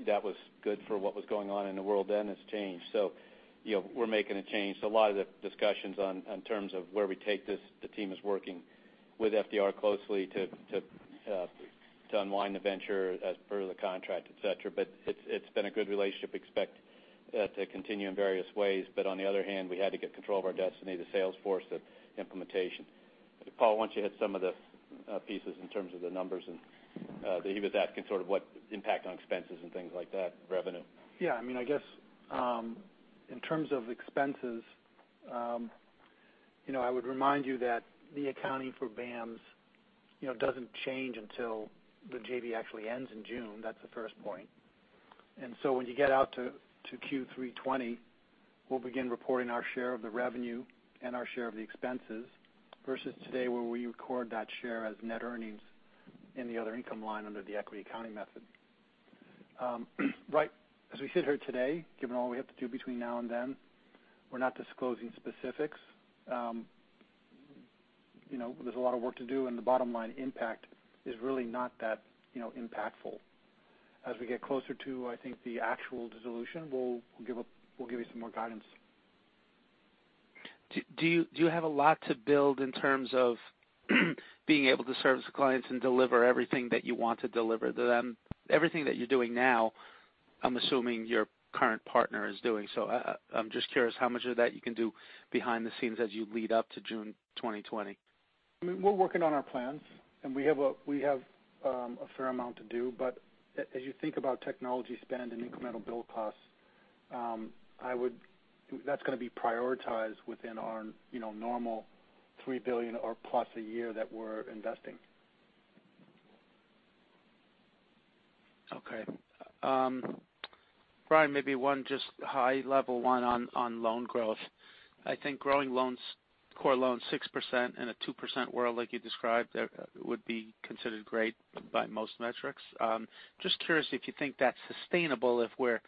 that was good for what was going on in the world then. It's changed. We're making a change. A lot of the discussions in terms of where we take this, the team is working with FDR closely to unwind the venture as per the contract, et cetera. It's been a good relationship. Expect that to continue in various ways. On the other hand, we had to get control of our destiny, the sales force, the implementation. Paul, why don't you hit some of the pieces in terms of the numbers and that he was asking sort of what impact on expenses and things like that, revenue. Yeah. I guess in terms of expenses, I would remind you that the accounting for BAMS doesn't change until the JV actually ends in June. That's the first point. When you get out to Q3 2020, we'll begin reporting our share of the revenue and our share of the expenses versus today where we record that share as net earnings in the other income line under the equity accounting method. As we sit here today, given all we have to do between now and then, we're not disclosing specifics. There's a lot of work to do, and the bottom line impact is really not that impactful. As we get closer to, I think, the actual dissolution, we'll give you some more guidance. Do you have a lot to build in terms of being able to service the clients and deliver everything that you want to deliver to them? Everything that you're doing now, I'm assuming your current partner is doing so. I'm just curious how much of that you can do behind the scenes as you lead up to June 2020. We're working on our plans. We have a fair amount to do. As you think about technology spend and incremental bill costs, that's going to be prioritized within our normal $3 billion or plus a year that we're investing. Okay. Brian, maybe one just high level one on loan growth. I think growing loans, core loans 6% in a 2% world like you described would be considered great by most metrics. Just curious if you think that's sustainable if we're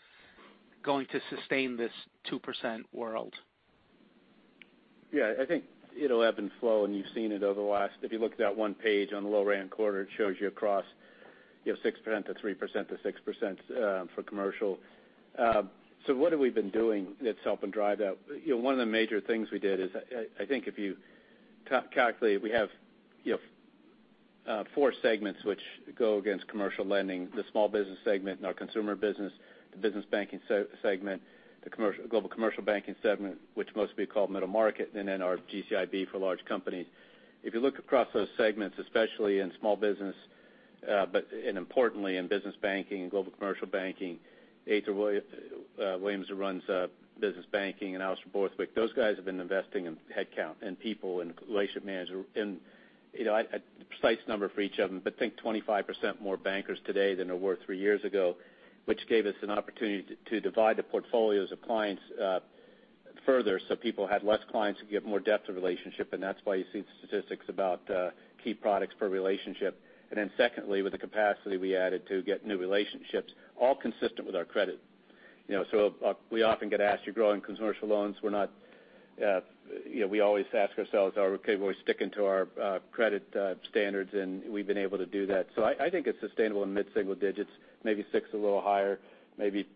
going to sustain this 2% world. I think it'll ebb and flow. If you looked at that one page on the low rand quarter, it shows you across 6% to 3% to 6% for commercial. What have we been doing that's helping drive that? One of the major things we did is I think if you calculate, we have four segments which go against commercial lending, the small business segment and our Consumer Banking, the Business Banking segment, the Global Commercial Banking segment, which most of you call middle market, then our GCIB for large companies. If you look across those segments, especially in small business, importantly in Business Banking and Global Commercial Banking, Ather Williams, who runs Business Banking, Alastair Borthwick, those guys have been investing in headcount and people and relationship managers. I don't have a precise number for each of them, but think 25% more bankers today than there were three years ago, which gave us an opportunity to divide the portfolios of clients up further, so people had less clients who get more depth of relationship, and that's why you see statistics about key products per relationship. Secondly, with the capacity we added to get new relationships, all consistent with our credit. We often get asked, you're growing commercial loans. We always ask ourselves, are we sticking to our credit standards? We've been able to do that. I think it's sustainable in mid-single digits, maybe 6%, a little higher, maybe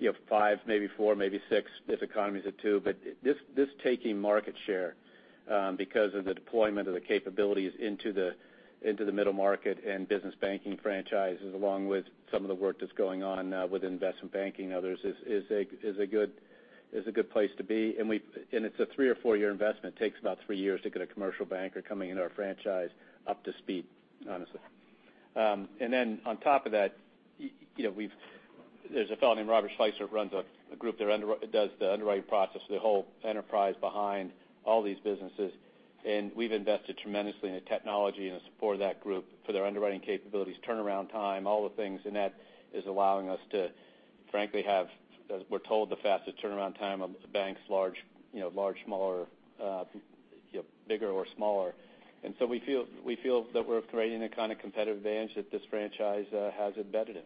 5%, maybe 4%, maybe 6% if economies are 2%. This taking market share because of the deployment of the capabilities into the middle market and business banking franchises, along with some of the work that's going on with investment banking and others is a good place to be. It's a three or four-year investment. It takes about three years to get a commercial banker coming into our franchise up to speed, honestly. Then on top of that, there's a fellow named Robert Shiflet, who runs a group that does the underwriting process for the whole enterprise behind all these businesses. We've invested tremendously in the technology and the support of that group for their underwriting capabilities, turnaround time, all the things. That is allowing us to frankly have, as we're told, the fastest turnaround time of the banks, large, smaller, bigger or smaller. We feel that we're creating a kind of competitive advantage that this franchise has embedded in.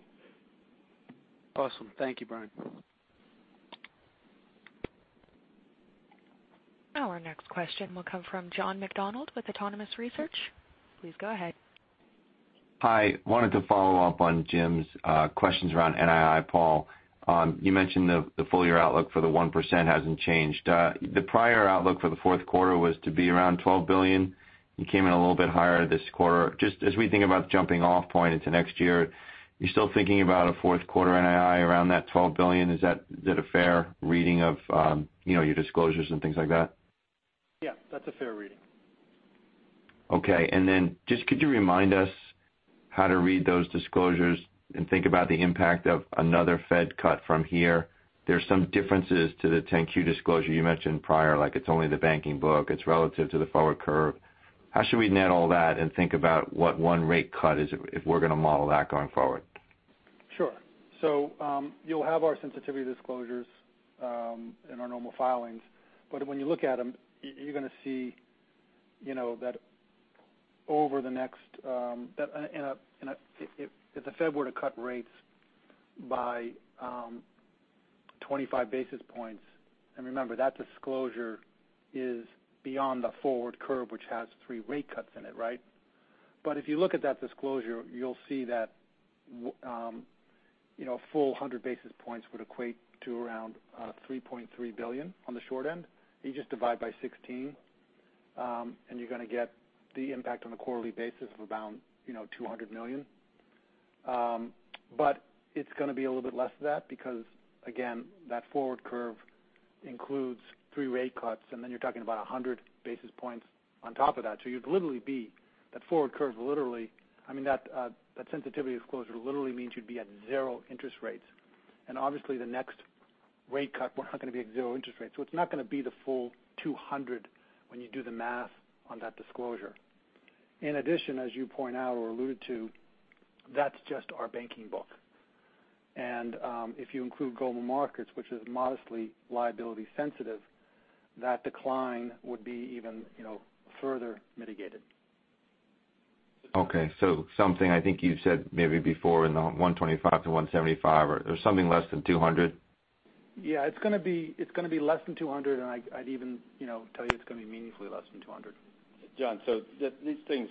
Awesome. Thank you, Brian. Our next question will come from John McDonald with Autonomous Research. Please go ahead. I wanted to follow up on Jame's questions around NII, Paul. You mentioned the full year outlook for the 1% hasn't changed. The prior outlook for the fourth quarter was to be around $12 billion. You came in a little bit higher this quarter. Just as we think about jumping off point into next year, you still thinking about a fourth quarter NII around that $12 billion? Is that a fair reading of your disclosures and things like that? Yeah, that's a fair reading. Okay. Just could you remind us how to read those disclosures and think about the impact of another Fed cut from here? There's some differences to the 10-Q disclosure you mentioned prior, like it's only the banking book, it's relative to the forward curve. How should we net all that and think about what one rate cut is if we're going to model that going forward? Sure. You'll have our sensitivity disclosures in our normal filings, but when you look at them, you're going to see that if the Fed were to cut rates by 25 basis points, and remember, that disclosure is beyond the forward curve, which has three rate cuts in it, right? If you look at that disclosure, you'll see that a full 100 basis points would equate to around $3.3 billion on the short end. You just divide by 16, and you're going to get the impact on a quarterly basis of around $200 million. It's going to be a little bit less than that because, again, that forward curve includes three rate cuts, and then you're talking about 100 basis points on top of that. That sensitivity disclosure literally means you'd be at zero interest rates. Obviously, the next rate cut, we're not going to be at zero interest rates. It's not going to be the full 200 when you do the math on that disclosure. In addition, as you point out or alluded to, that's just our banking book. If you include Global Markets, which is modestly liability sensitive, that decline would be even further mitigated. Okay. something I think you've said maybe before in the $125-$175, or something less than $200. Yeah. It's going to be less than 200, and I'd even tell you it's going to be meaningfully less than 200. John, these things,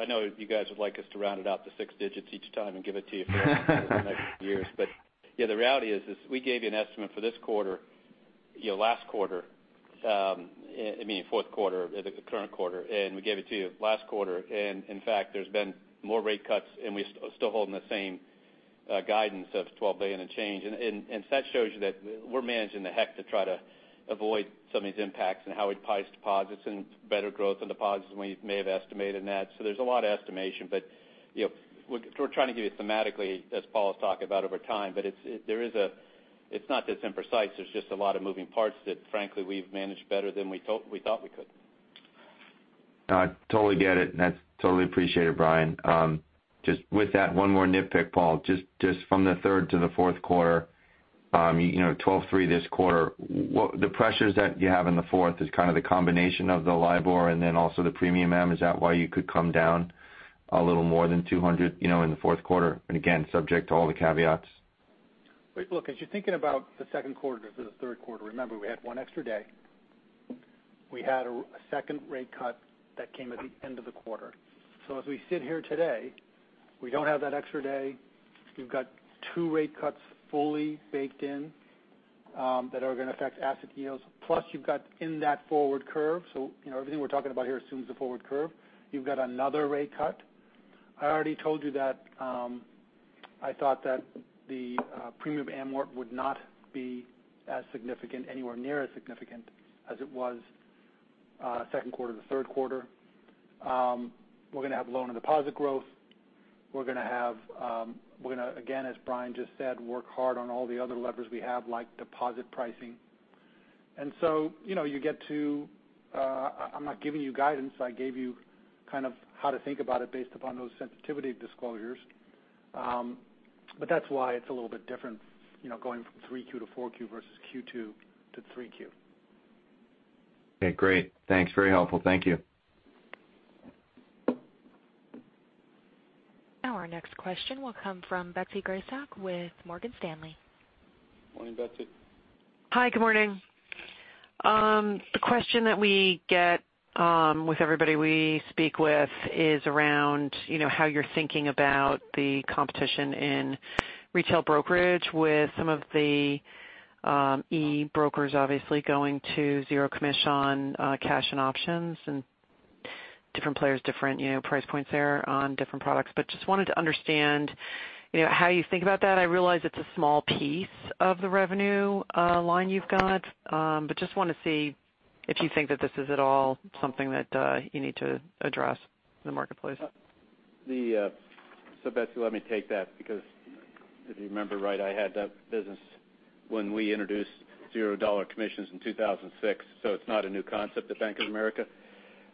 I know you guys would like us to round it out to 6 digits each time and give it to you for the next years. The reality is we gave you an estimate for this quarter, last quarter, I mean fourth quarter, the current quarter, and we gave it to you last quarter. In fact, there's been more rate cuts, and we're still holding the same guidance of $12 billion and change. That shows you that we're managing the heck to try to avoid some of these impacts and how we price deposits and better growth in deposits than we may have estimated in that. There's a lot of estimation. We're trying to give you thematically, as Paul was talking about over time, but it's not that it's imprecise, there's just a lot of moving parts that frankly we've managed better than we thought we could. I totally get it, and that's totally appreciated, Brian. Just with that one more nitpick, Paul, just from the third to the fourth quarter, 12.3 this quarter. The pressures that you have in the fourth is kind of the combination of the LIBOR and then also the premium NIM. Is that why you could come down a little more than 200 in the fourth quarter? Again, subject to all the caveats. Look, as you're thinking about the second quarter versus the third quarter, remember, we had one extra day. We had a second rate cut that came at the end of the quarter. As we sit here today, we don't have that extra day. We've got two rate cuts fully baked in that are going to affect asset yields. Plus you've got in that forward curve. Everything we're talking about here assumes the forward curve. You've got another rate cut. I already told you that I thought that the premium M&A work would not be as significant, anywhere near as significant as it was second quarter to third quarter. We're going to have loan and deposit growth. We're going to, again, as Brian just said, work hard on all the other levers we have, like deposit pricing. I'm not giving you guidance. I gave you kind of how to think about it based upon those sensitivity disclosures. That's why it's a little bit different going from 3Q to 4Q, versus Q2 to 3Q. Okay, great. Thanks. Very helpful. Thank you. Our next question will come from Betsy Graseck with Morgan Stanley. Morning, Betsy. Hi, good morning. The question that we get with everybody we speak with is around how you're thinking about the competition in retail brokerage with some of the e-brokers obviously going to zero commission cash and options, and different players, different price points there on different products. Just wanted to understand how you think about that. I realize it's a small piece of the revenue line you've got. Just want to see if you think that this is at all something that you need to address in the marketplace. Betsy, let me take that, because if you remember right, I had that business when we introduced $0 commissions in 2006, so it's not a new concept to Bank of America.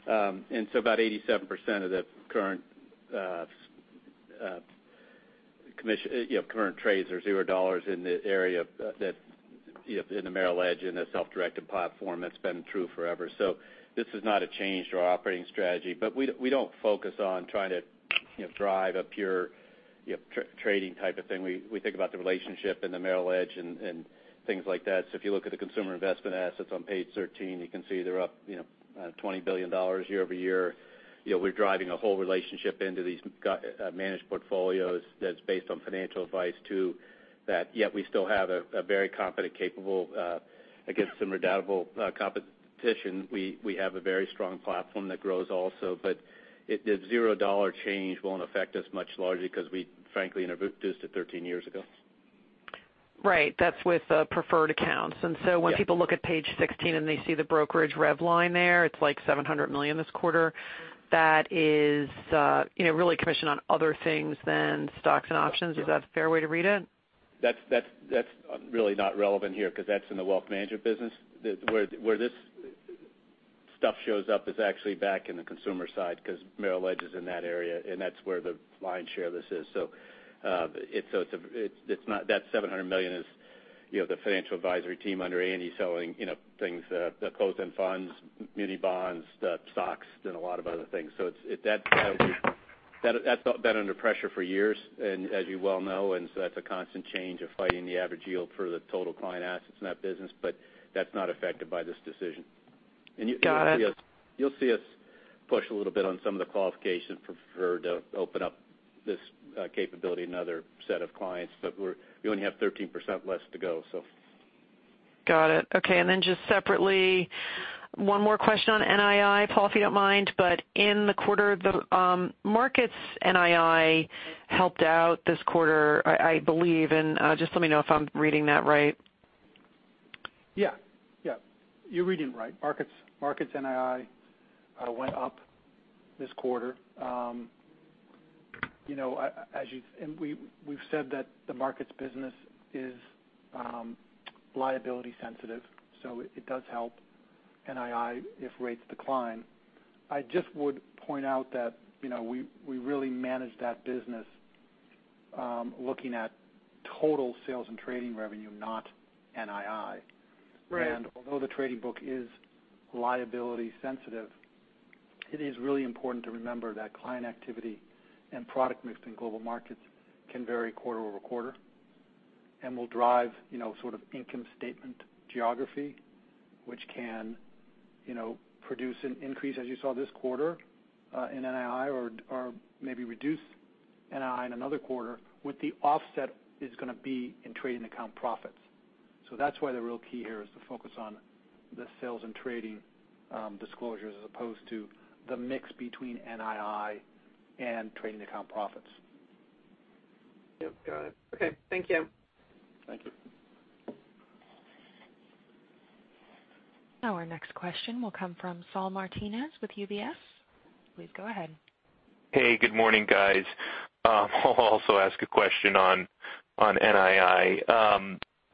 About 87% of the current trades are $0 in the area that in the Merrill Edge, in the self-directed platform. That's been true forever. This is not a change to our operating strategy, but we don't focus on trying to drive a pure trading type of thing. We think about the relationship and the Merrill Edge and things like that. If you look at the consumer investment assets on page 13, you can see they're up $20 billion year-over-year. We're driving a whole relationship into these managed portfolios that's based on financial advice to that, yet we still have a very competent, capable against some redoubtable competition. We have a very strong platform that grows also. The $0 change won't affect us much largely because we frankly introduced it 13 years ago. Right. That's with preferred accounts. Yeah. When people look at page 16 and they see the brokerage rev line there, it's like $700 million this quarter. That is really commission on other things than stocks and options. Is that a fair way to read it? That's really not relevant here because that's in the wealth management business. Where this stuff shows up is actually back in the consumer side because Merrill Edge is in that area, and that's where the lion's share of this is. That $700 million is the financial advisory team under Andy selling things, the closed-end funds, muni bonds, stocks, and a lot of other things. That's been under pressure for years, and as you well know. That's a constant change of fighting the average yield for the total client assets in that business, but that's not affected by this decision. Got it. You'll see us push a little bit on some of the qualifications for Preferred Rewards to open up this capability in another set of clients. We only have 13% less to go. Got it. Okay, and then just separately, one more question on NII, Paul, if you don't mind, but in the quarter, the Global Markets NII helped out this quarter, I believe, and just let me know if I'm reading that right. Yeah. You're reading it right. Markets NII went up this quarter. We've said that the Markets business is liability sensitive, so it does help NII if rates decline. I just would point out that we really manage that business looking at total sales and trading revenue, not NII. Right. Although the trading book is liability sensitive, it is really important to remember that client activity and product mix in Global Markets can vary quarter-over-quarter and will drive sort of income statement geography, which can produce an increase, as you saw this quarter, in NII or maybe reduce NII in another quarter, with the offset is going to be in trading account profits. That's why the real key here is to focus on the sales and trading disclosures as opposed to the mix between NII and trading account profits. Yep, got it. Okay. Thank you. Thank you. Our next question will come from Saul Martinez with UBS. Please go ahead. Hey, good morning, guys. I'll also ask a question on NII.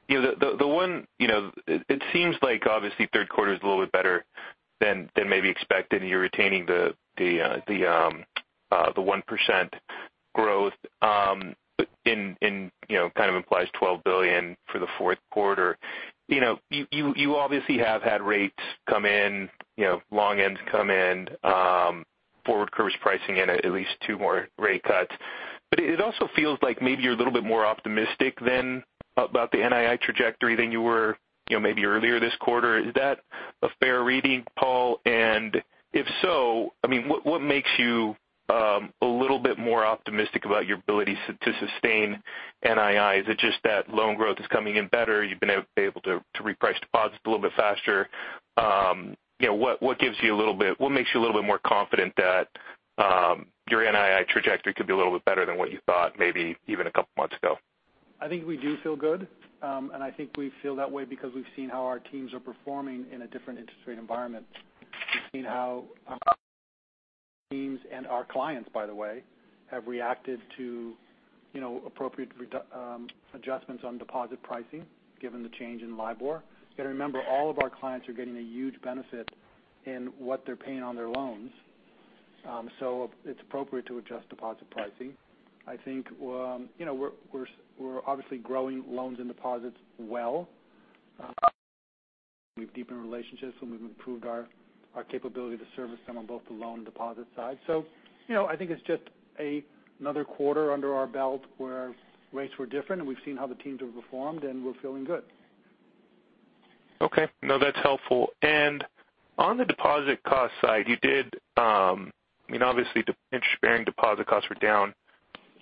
It seems like obviously third quarter is a little bit better than maybe expected, and you're retaining the 1% growth, kind of implies $12 billion for the fourth quarter. You obviously have had rates come in, long ends come in, forward curves pricing in at least two more rate cuts. It also feels like maybe you're a little bit more optimistic about the NII trajectory than you were maybe earlier this quarter. Is that a fair reading, Paul? If so, what makes you a little bit more optimistic about your ability to sustain NII? Is it just that loan growth is coming in better? You've been able to reprice deposits a little bit faster? What makes you a little bit more confident that your NII trajectory could be a little bit better than what you thought maybe even a couple of months ago? I think we do feel good. I think we feel that way because we've seen how our teams are performing in a different interest rate environment. We've seen how teams and our clients, by the way, have reacted to appropriate adjustments on deposit pricing given the change in LIBOR. You got to remember, all of our clients are getting a huge benefit What they're paying on their loans. It's appropriate to adjust deposit pricing. I think we're obviously growing loans and deposits well. We've deepened relationships and we've improved our capability to service them on both the loan deposit side. I think it's just another quarter under our belt where rates were different, and we've seen how the teams have performed, and we're feeling good. No, that's helpful. On the deposit cost side, obviously, interest-bearing deposit costs were down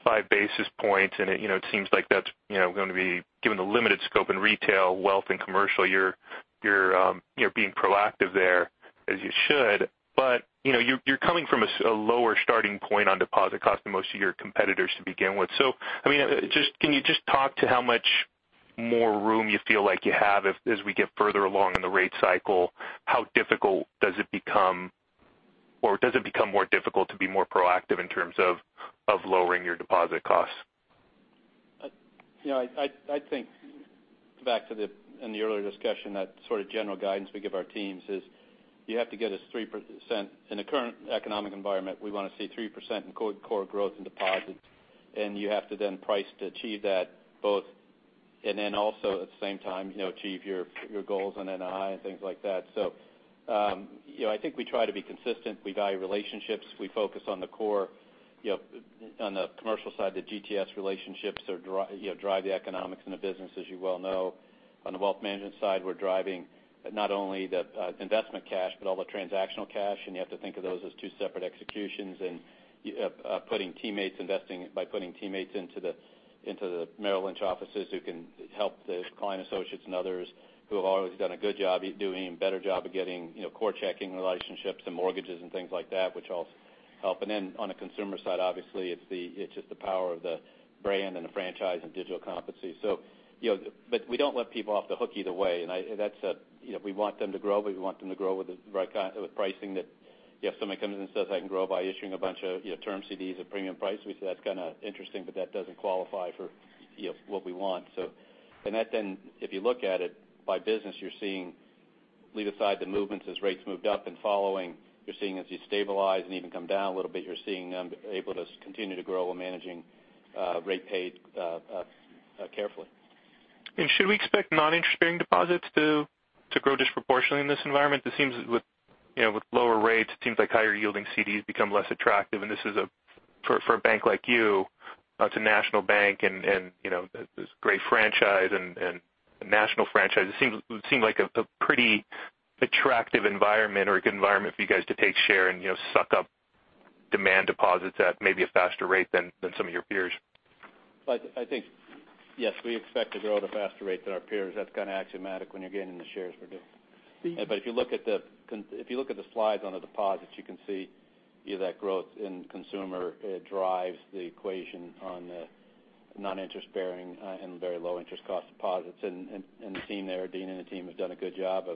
5 basis points, and it seems like that's going to be given the limited scope in retail, wealth and commercial, you're being proactive there, as you should. You're coming from a lower starting point on deposit cost than most of your competitors to begin with. Can you just talk to how much more room you feel like you have as we get further along in the rate cycle? How difficult does it become, or does it become more difficult to be more proactive in terms of lowering your deposit costs? I think back to the earlier discussion, that sort of general guidance we give our teams is you have to get us 3%. In the current economic environment, we want to see 3% in core growth in deposits. You have to then price to achieve that both, and then also at the same time achieve your goals on NII and things like that. I think we try to be consistent. We value relationships. We focus on the core. On the commercial side, the GTS relationships drive the economics in the business, as you well know. On the wealth management side, we're driving not only the investment cash but all the transactional cash, and you have to think of those as two separate executions. By putting teammates into the Merrill Lynch offices who can help the client associates and others who have always done a good job, doing a better job of getting core checking relationships and mortgages and things like that, which all help. Then on the consumer side, obviously it's just the power of the brand and the franchise and digital competency. We don't let people off the hook either way. We want them to grow, but we want them to grow with pricing that if somebody comes in and says, "I can grow by issuing a bunch of term CDs at premium price," we say, "That's kind of interesting, but that doesn't qualify for what we want." That then if you look at it by business, you're seeing leave aside the movements as rates moved up and following. You're seeing as you stabilize and even come down a little bit, you're seeing them able to continue to grow while managing rate paid carefully. Should we expect non-interest bearing deposits to grow disproportionately in this environment? It seems with lower rates, it seems like higher yielding CDs become less attractive. This is for a bank like you, it's a national bank, and this great franchise and a national franchise. It would seem like a pretty attractive environment or a good environment for you guys to take share and suck up demand deposits at maybe a faster rate than some of your peers. I think, yes, we expect to grow at a faster rate than our peers. That's kind of axiomatic when you're gaining the shares we're getting. If you look at the slides on the deposits, you can see that growth in consumer drives the equation on the non-interest bearing and very low interest cost deposits. The team there, Dean and the team, have done a good job.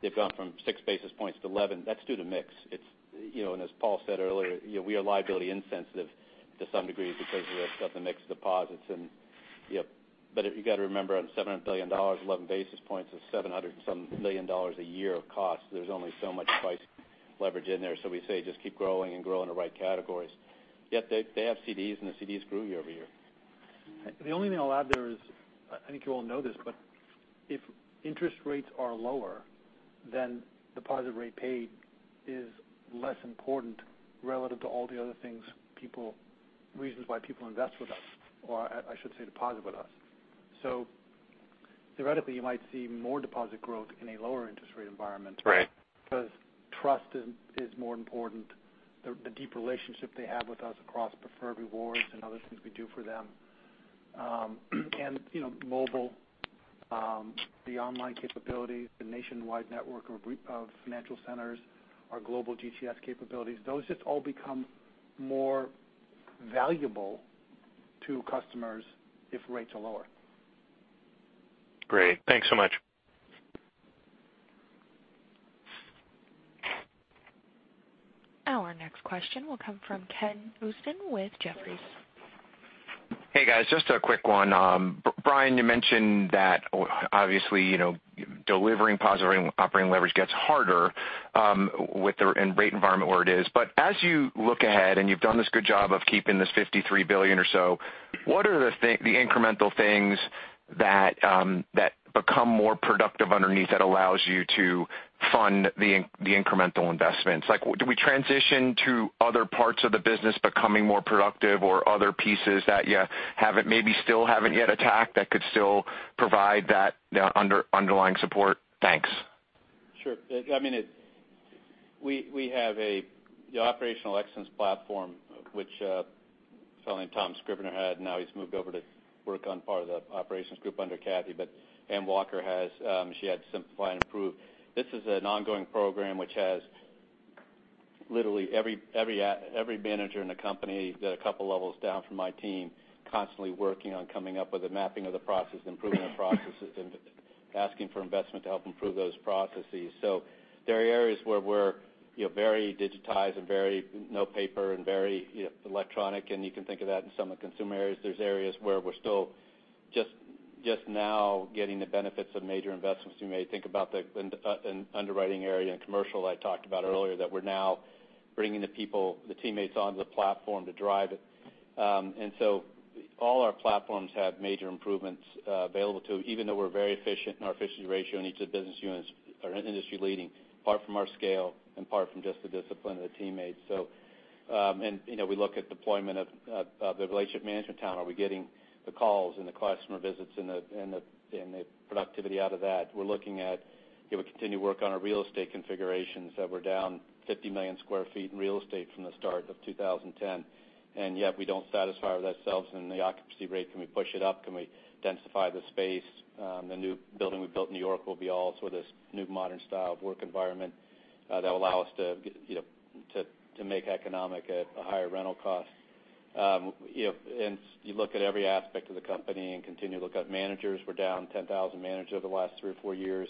They've gone from six basis points to 11. That's due to mix. As Paul said earlier, we are liability insensitive to some degree because of the mix deposits. You got to remember, on $700 billion, 11 basis points is $700 and some million dollars a year of cost. There's only so much price leverage in there. We say, just keep growing and grow in the right categories. Yet they have CDs, and the CDs grew year-over-year. The only thing I'll add there is, I think you all know this, but if interest rates are lower, then deposit rate paid is less important relative to all the other reasons why people invest with us, or I should say deposit with us. Theoretically, you might see more deposit growth in a lower interest rate environment. Right. Trust is more important. The deep relationship they have with us across Preferred Rewards and other things we do for them. Mobile, the online capabilities, the nationwide network of financial centers, our global GTS capabilities, those just all become more valuable to customers if rates are lower. Great. Thanks so much. Our next question will come from Kenneth Usdin with Jefferies. Hey, guys. Just a quick one. Brian, you mentioned that obviously delivering positive operating leverage gets harder in rate environment where it is. As you look ahead, and you've done this good job of keeping this $53 billion or so, what are the incremental things that become more productive underneath that allows you to fund the incremental investments? Do we transition to other parts of the business becoming more productive or other pieces that you maybe still haven't yet attacked that could still provide that underlying support? Thanks. Sure. We have the operational excellence platform which a fella named Tom Scrivener had, now he's moved over to work on part of the operations group under Cathy. Anne Walker, she had Simplify and Improve. This is an ongoing program which has literally every manager in the company a couple levels down from my team constantly working on coming up with a mapping of the process, improving the processes, and asking for investment to help improve those processes. There are areas where we're very digitized and no paper and very electronic, and you can think of that in some of the Consumer areas. There's areas where we're still just now getting the benefits of major investments. You may think about the underwriting area in commercial I talked about earlier, that we're now bringing the people, the teammates onto the platform to drive it. All our platforms have major improvements available to, even though we're very efficient and our efficiency ratio in each of the business units are industry leading, apart from our scale and apart from just the discipline of the teammates. We look at deployment of the relationship management talent. Are we getting the calls and the customer visits and the productivity out of that? We're looking at continued work on our real estate configurations, that we're down 50 million square feet in real estate from the start of 2010, and yet we don't satisfy ourselves in the occupancy rate. Can we push it up? Can we densify the space? The new building we built in New York will be all sort of this new modern style of work environment that will allow us to make economic at a higher rental cost. You look at every aspect of the company and continue to look at managers. We're down 10,000 managers over the last three or four years.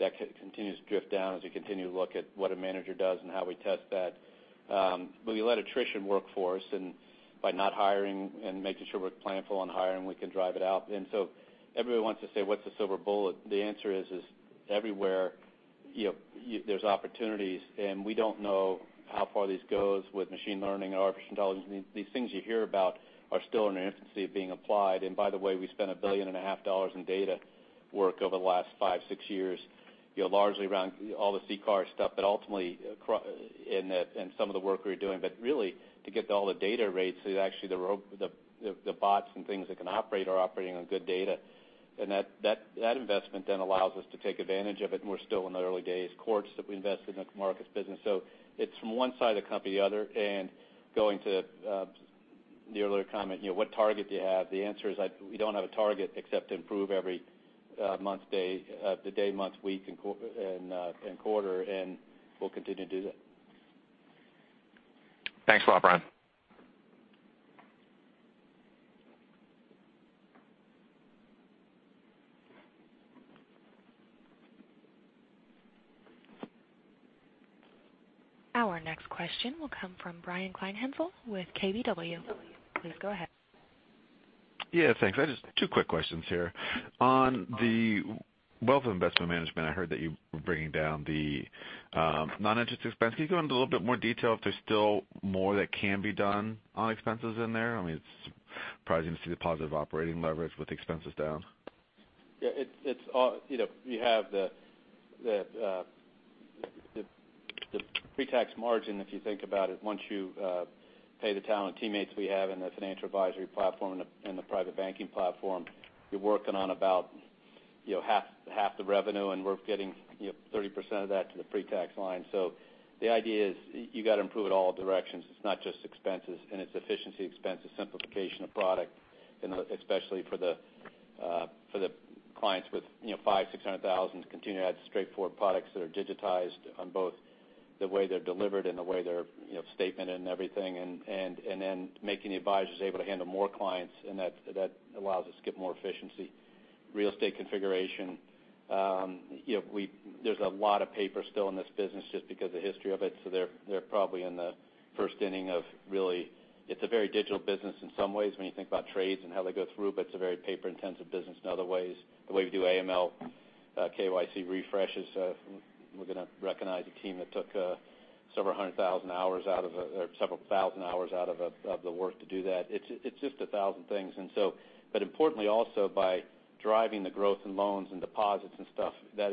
That continues to drift down as we continue to look at what a manager does and how we test that. We let attrition work for us, and by not hiring and making sure we're planful on hiring, we can drive it out. Everybody wants to say, what's the silver bullet? The answer is, everywhere there's opportunities, and we don't know how far this goes with machine learning and artificial intelligence. These things you hear about are still in their infancy of being applied. By the way, we spent $1.5 billion in data work over the last five, six years, largely around all the CCAR stuff, but ultimately, and some of the work we're doing, but really to get to all the data rates is actually the bots and things that can operate are operating on good data. That investment then allows us to take advantage of it, and we're still in the early days. Quartz that we invested in the markets business. It's from one side of the company to the other, and going to your earlier comment, what target do you have? The answer is, we don't have a target except to improve every month, day, week, and quarter, and we'll continue to do that. Thanks a lot, Brian. Our next question will come from Brian Kleinhenzl with KBW. Please go ahead. Yeah, thanks. I just have two quick questions here. On the Wealth Investment Management, I heard that you were bringing down the non-interest expense. Can you go into a little bit more detail if there's still more that can be done on expenses in there? I mean, it's surprising to see the positive operating leverage with expenses down. Yeah. You have the pre-tax margin, if you think about it, once you pay the talented teammates we have in the financial advisory platform and the private banking platform. You're working on about half the revenue, and we're getting 30% of that to the pre-tax line. The idea is you got to improve it all directions. It's not just expenses, and it's efficiency expenses, simplification of product, and especially for the clients with $500,000, $600,000, continue to add straightforward products that are digitized on both the way they're delivered and the way they're statement and everything. Then making the advisors able to handle more clients, and that allows us to get more efficiency. Real estate configuration. There's a lot of paper still in this business just because of the history of it. They're probably in the first inning of really, it's a very digital business in some ways when you think about trades and how they go through, but it's a very paper-intensive business in other ways. The way we do AML, KYC refreshes. We're going to recognize a team that took several thousand hours out of the work to do that. It's just a thousand things. Importantly, also by driving the growth in loans and deposits and stuff, that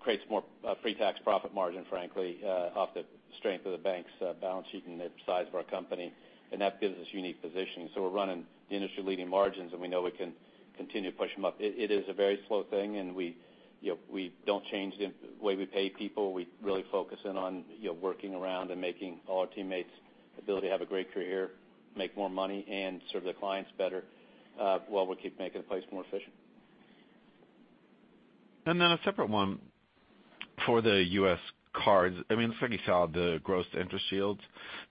creates more pre-tax profit margin, frankly, off the strength of the bank's balance sheet and the size of our company. That gives us unique positioning. We're running industry-leading margins, and we know we can continue to push them up. It is a very slow thing, and we don't change the way we pay people. We really focus in on working around and making all our teammates ability to have a great career, make more money, and serve their clients better while we keep making the place more efficient. A separate one for the US cards. It's like you saw the gross interest yields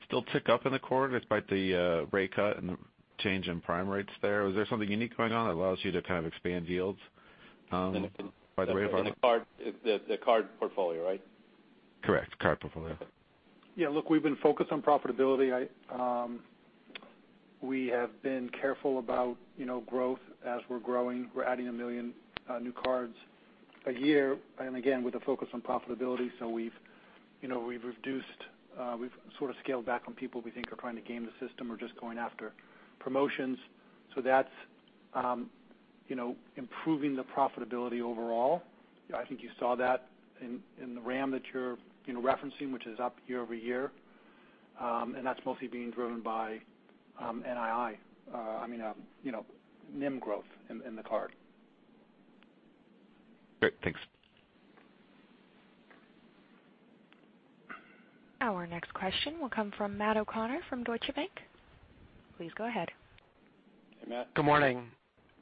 still tick up in the quarter despite the rate cut and the change in prime rates there. Was there something unique going on that allows you to kind of expand yields? The card portfolio, right? Correct. Card portfolio. Look, we've been focused on profitability. We have been careful about growth as we're growing. We're adding 1 million new cards a year, again, with a focus on profitability. We've sort of scaled back on people we think are trying to game the system or just going after promotions. That's improving the profitability overall. I think you saw that in the RAM that you're referencing, which is up year-over-year. That's mostly being driven by NII. I mean, NIM growth in the card. Great. Thanks. Our next question will come from Matthew O'Connor from Deutsche Bank. Please go ahead. Hey, Matt. Good morning.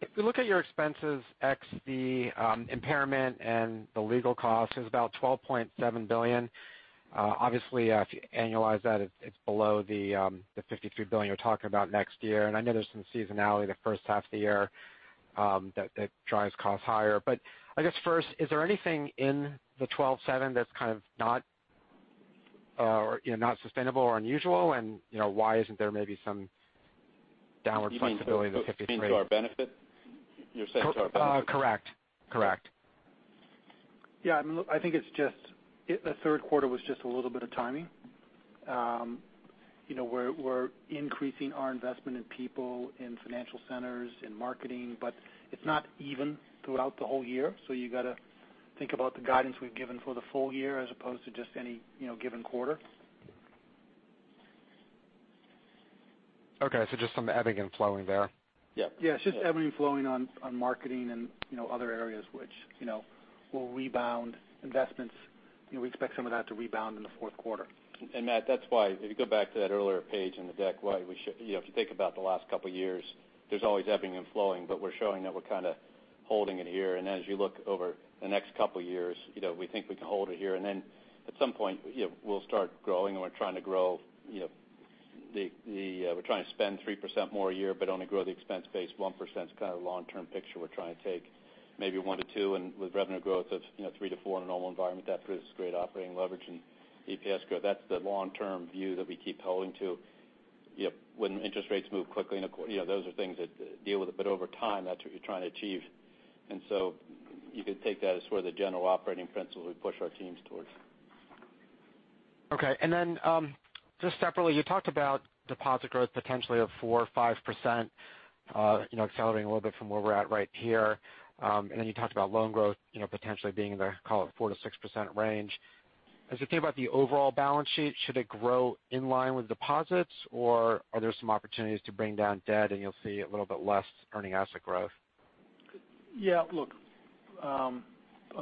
If we look at your expenses, X, the impairment and the legal cost is about $12.7 billion. Obviously, if you annualize that, it's below the $53 billion you're talking about next year. I know there's some seasonality the first half of the year that drives costs higher. I guess first, is there anything in the $12.7 that's kind of not sustainable or unusual? Why isn't there maybe some downward flexibility with the $53? You mean to our benefit? You're saying to our benefit. Correct. Yeah, I think the third quarter was just a little bit of timing. We're increasing our investment in people, in financial centers, in marketing, but it's not even throughout the whole year. You got to think about the guidance we've given for the full year as opposed to just any given quarter. Okay, just some ebbing and flowing there. Yeah. It's just ebbing and flowing on marketing and other areas which will rebound investments. We expect some of that to rebound in the fourth quarter. Matt, that's why if you go back to that earlier page in the deck, if you think about the last couple of years, there's always ebbing and flowing, but we're showing that we're kind of holding it here. As you look over the next couple of years, we think we can hold it here, and then at some point, we'll start growing, and we're trying to grow. We're trying to spend 3% more a year but only grow the expense base 1%. It's kind of the long-term picture we're trying to take. Maybe 1%-2%, and with revenue growth of 3%-4% in a normal environment, that produces great operating leverage and EPS growth. That's the long-term view that we keep holding to. When interest rates move quickly, those are things that deal with it. Over time, that's what you're trying to achieve. You could take that as sort of the general operating principle we push our teams towards. Okay. Just separately, you talked about deposit growth potentially of 4%, 5%, accelerating a little bit from where we're at right here. You talked about loan growth potentially being in the, call it 4% to 6% range. As we think about the overall balance sheet, should it grow in line with deposits, or are there some opportunities to bring down debt and you'll see a little bit less earning asset growth? Yeah. Look, on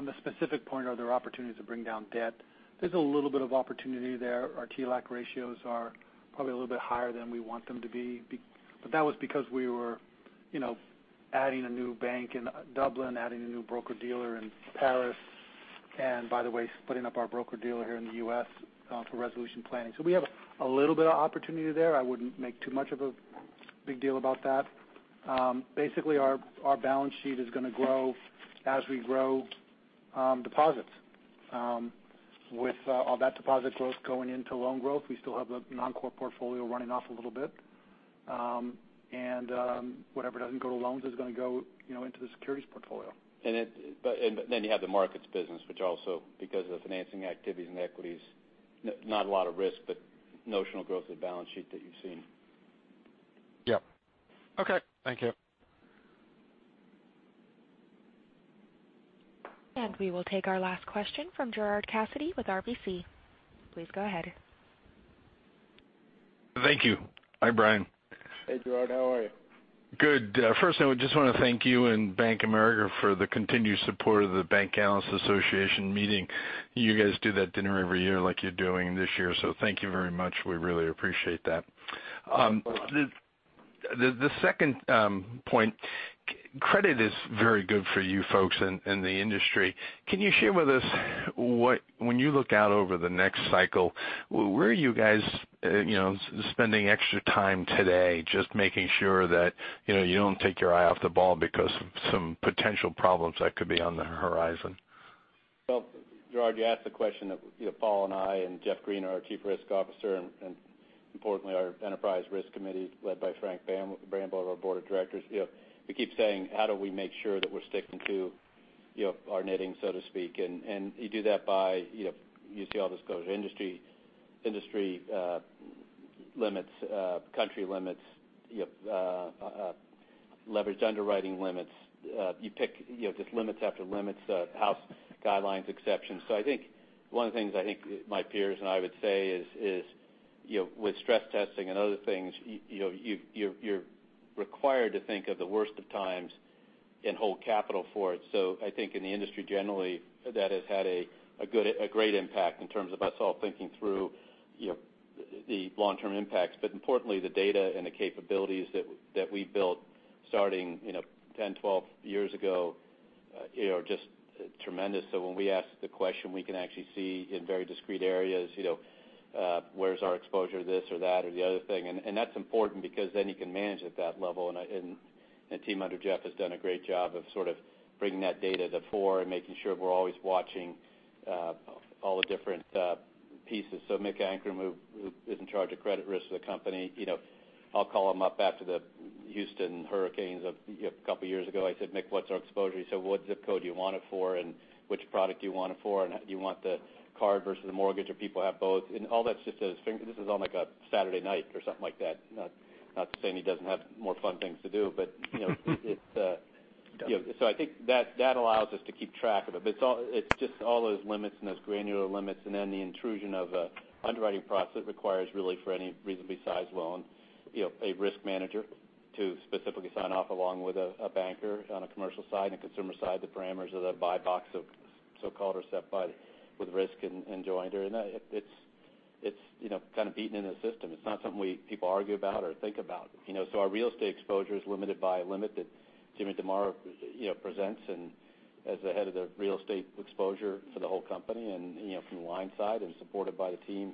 the specific point, are there opportunities to bring down debt? There's a little bit of opportunity there. Our TLAC ratios are probably a little bit higher than we want them to be. That was because we were adding a new bank in Dublin, adding a new broker-dealer in Paris. By the way, putting up our broker-dealer here in the U.S., for resolution planning. We have a little bit of opportunity there. I wouldn't make too much of a big deal about that. Basically, our balance sheet is going to grow as we grow deposits. With all that deposit growth going into loan growth, we still have the non-core portfolio running off a little bit. Whatever doesn't go to loans is going to go into the securities portfolio. You have the Global Markets business, which also because of financing activities and equities, not a lot of risk, but notional growth of the balance sheet that you've seen. Yep. Okay. Thank you. We will take our last question from Gerard Cassidy with RBC. Please go ahead. Thank you. Hi, Brian. Hey, Gerard. How are you? Good. First, I just want to thank you and Bank of America for the continued support of the BancAnalysts Association of Boston meeting. You guys do that dinner every year like you're doing this year. So thank you very much. We really appreciate that. The second point, credit is very good for you folks in the industry. Can you share with us when you look out over the next cycle, where are you guys spending extra time today just making sure that you don't take your eye off the ball because of some potential problems that could be on the horizon? Gerard, you asked the question that Paul and I and Jeff Green, our Chief Risk Officer, and importantly, our Enterprise Risk Committee led by Frank Bramble, our Board of Directors. We keep saying, how do we make sure that we're sticking to our knitting, so to speak? You do that by, you see all this goes industry limits, country limits, leverage underwriting limits. You pick just limits after limits, house guidelines exceptions. I think one of the things my peers and I would say is with stress testing and other things, you're required to think of the worst of times and hold capital for it. I think in the industry generally, that has had a great impact in terms of us all thinking through the long-term impacts. Importantly, the data and the capabilities that we built starting 10, 12 years ago are just tremendous. When we ask the question, we can actually see in very discrete areas where's our exposure to this or that or the other thing. That's important because then you can manage at that level. The team under Jeff has done a great job of sort of bringing that data to fore and making sure we're always watching all the different pieces. Mick Ankrom, who is in charge of credit risk of the company, I'll call him up after the Houston hurricanes a couple of years ago. I said, "Mick, what's our exposure?" He said, "What zip code do you want it for, and which product do you want it for? Do you want the card versus the mortgage, or people have both? All that's just this is on like a Saturday night or something like that. Not saying he doesn't have more fun things to do. I think that allows us to keep track of it. It's just all those limits and those granular limits, and then the intrusion of a underwriting process requires really for any reasonably sized loan, a risk manager to specifically sign off along with a banker on a commercial side and consumer side, the parameters of the buy box of so-called are set by with risk and joinder. It's kind of beaten in the system. It's not something people argue about or think about. Our real estate exposure is limited by a limit that James DeMare presents as the head of the real estate exposure for the whole company and from the line side and supported by the team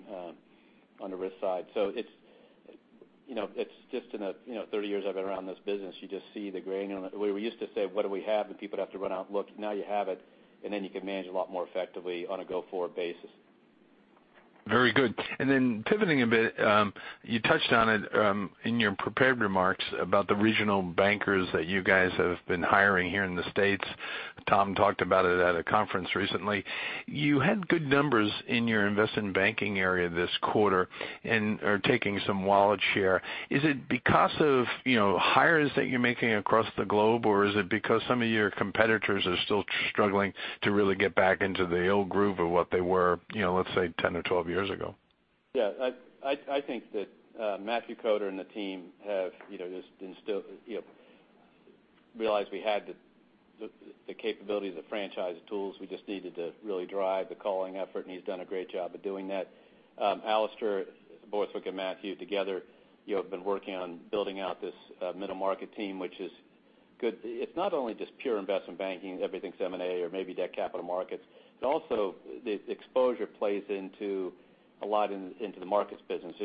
on the risk side. It's just in the 30 years I've been around this business, you just see the granular. We used to say, "What do we have?" People'd have to run out and look. Now you have it, and then you can manage a lot more effectively on a go-forward basis. Very good. Pivoting a bit, you touched on it in your prepared remarks about the regional bankers that you guys have been hiring here in the States. Tom talked about it at a conference recently. You had good numbers in your investment banking area this quarter and are taking some wallet share. Is it because of hires that you're making across the globe, or is it because some of your competitors are still struggling to really get back into the old groove of what they were, let's say, 10 or 12 years ago? I think that Matthew Koder and the team have just realized we had the capabilities, the franchise, the tools. We just needed to really drive the calling effort. He's done a great job of doing that. Alastair Borthwick and Matthew together have been working on building out this middle market team, which is good. It's not only just pure investment banking, everything's M&A or maybe debt capital markets. Also, the exposure plays a lot into the markets business,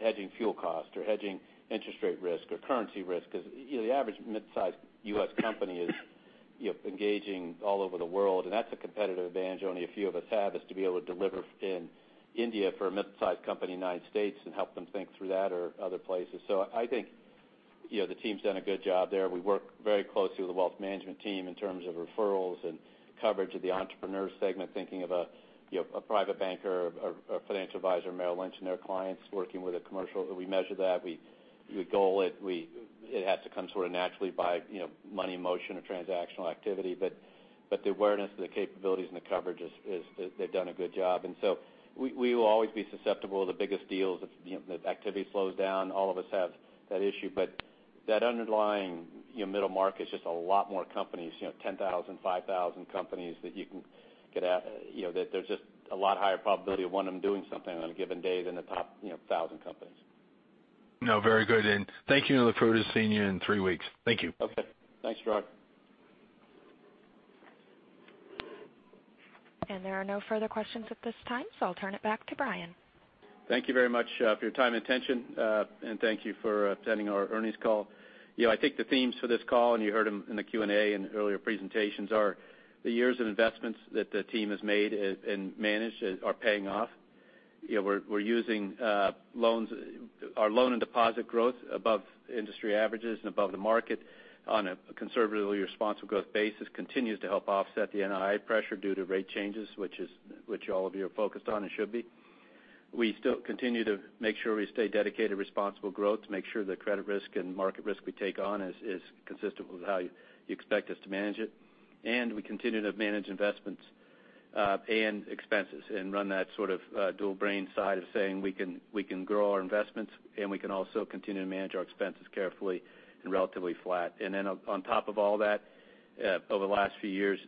hedging fuel costs or hedging interest rate risk or currency risk. The average mid-size U.S. company is engaging all over the world, and that's a competitive advantage only a few of us have, is to be able to deliver in India for a mid-size company in United States and help them think through that or other places. I think the team's done a good job there. We work very closely with the wealth management team in terms of referrals and coverage of the entrepreneur segment, thinking of a private banker or a financial advisor at Merrill Lynch and their clients working with a commercial. We measure that, we goal it. It has to come sort of naturally by money in motion or transactional activity. The awareness of the capabilities and the coverage is they've done a good job. We will always be susceptible to the biggest deals. If the activity slows down, all of us have that issue. That underlying middle market's just a lot more companies, 10,000, 5,000 companies that there's just a lot higher probability of one of them doing something on a given day than the top 1,000 companies. No, very good. Thank you and look forward to seeing you in three weeks. Thank you. Okay. Thanks, Gerard. There are no further questions at this time, so I'll turn it back to Brian. Thank you very much for your time and attention, and thank you for attending our earnings call. I think the themes for this call, and you heard them in the Q&A and earlier presentations, are the years of investments that the team has made and managed are paying off. We're using our loan and deposit growth above industry averages and above the market on a conservatively responsible growth basis continues to help offset the NII pressure due to rate changes, which all of you are focused on and should be. We still continue to make sure we stay dedicated responsible growth to make sure that credit risk and market risk we take on is consistent with how you expect us to manage it. We continue to manage investments and expenses and run that sort of dual brain side of saying we can grow our investments, and we can also continue to manage our expenses carefully and relatively flat. Then on top of all that, over the last few years,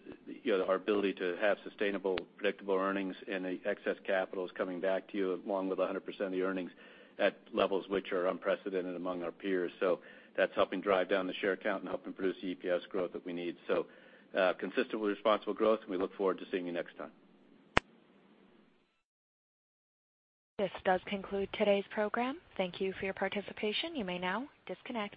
our ability to have sustainable, predictable earnings and the excess capital is coming back to you along with 100% of the earnings at levels which are unprecedented among our peers. That's helping drive down the share count and helping produce the EPS growth that we need. Consistent with responsible growth, and we look forward to seeing you next time. This does conclude today's program. Thank you for your participation. You may now disconnect.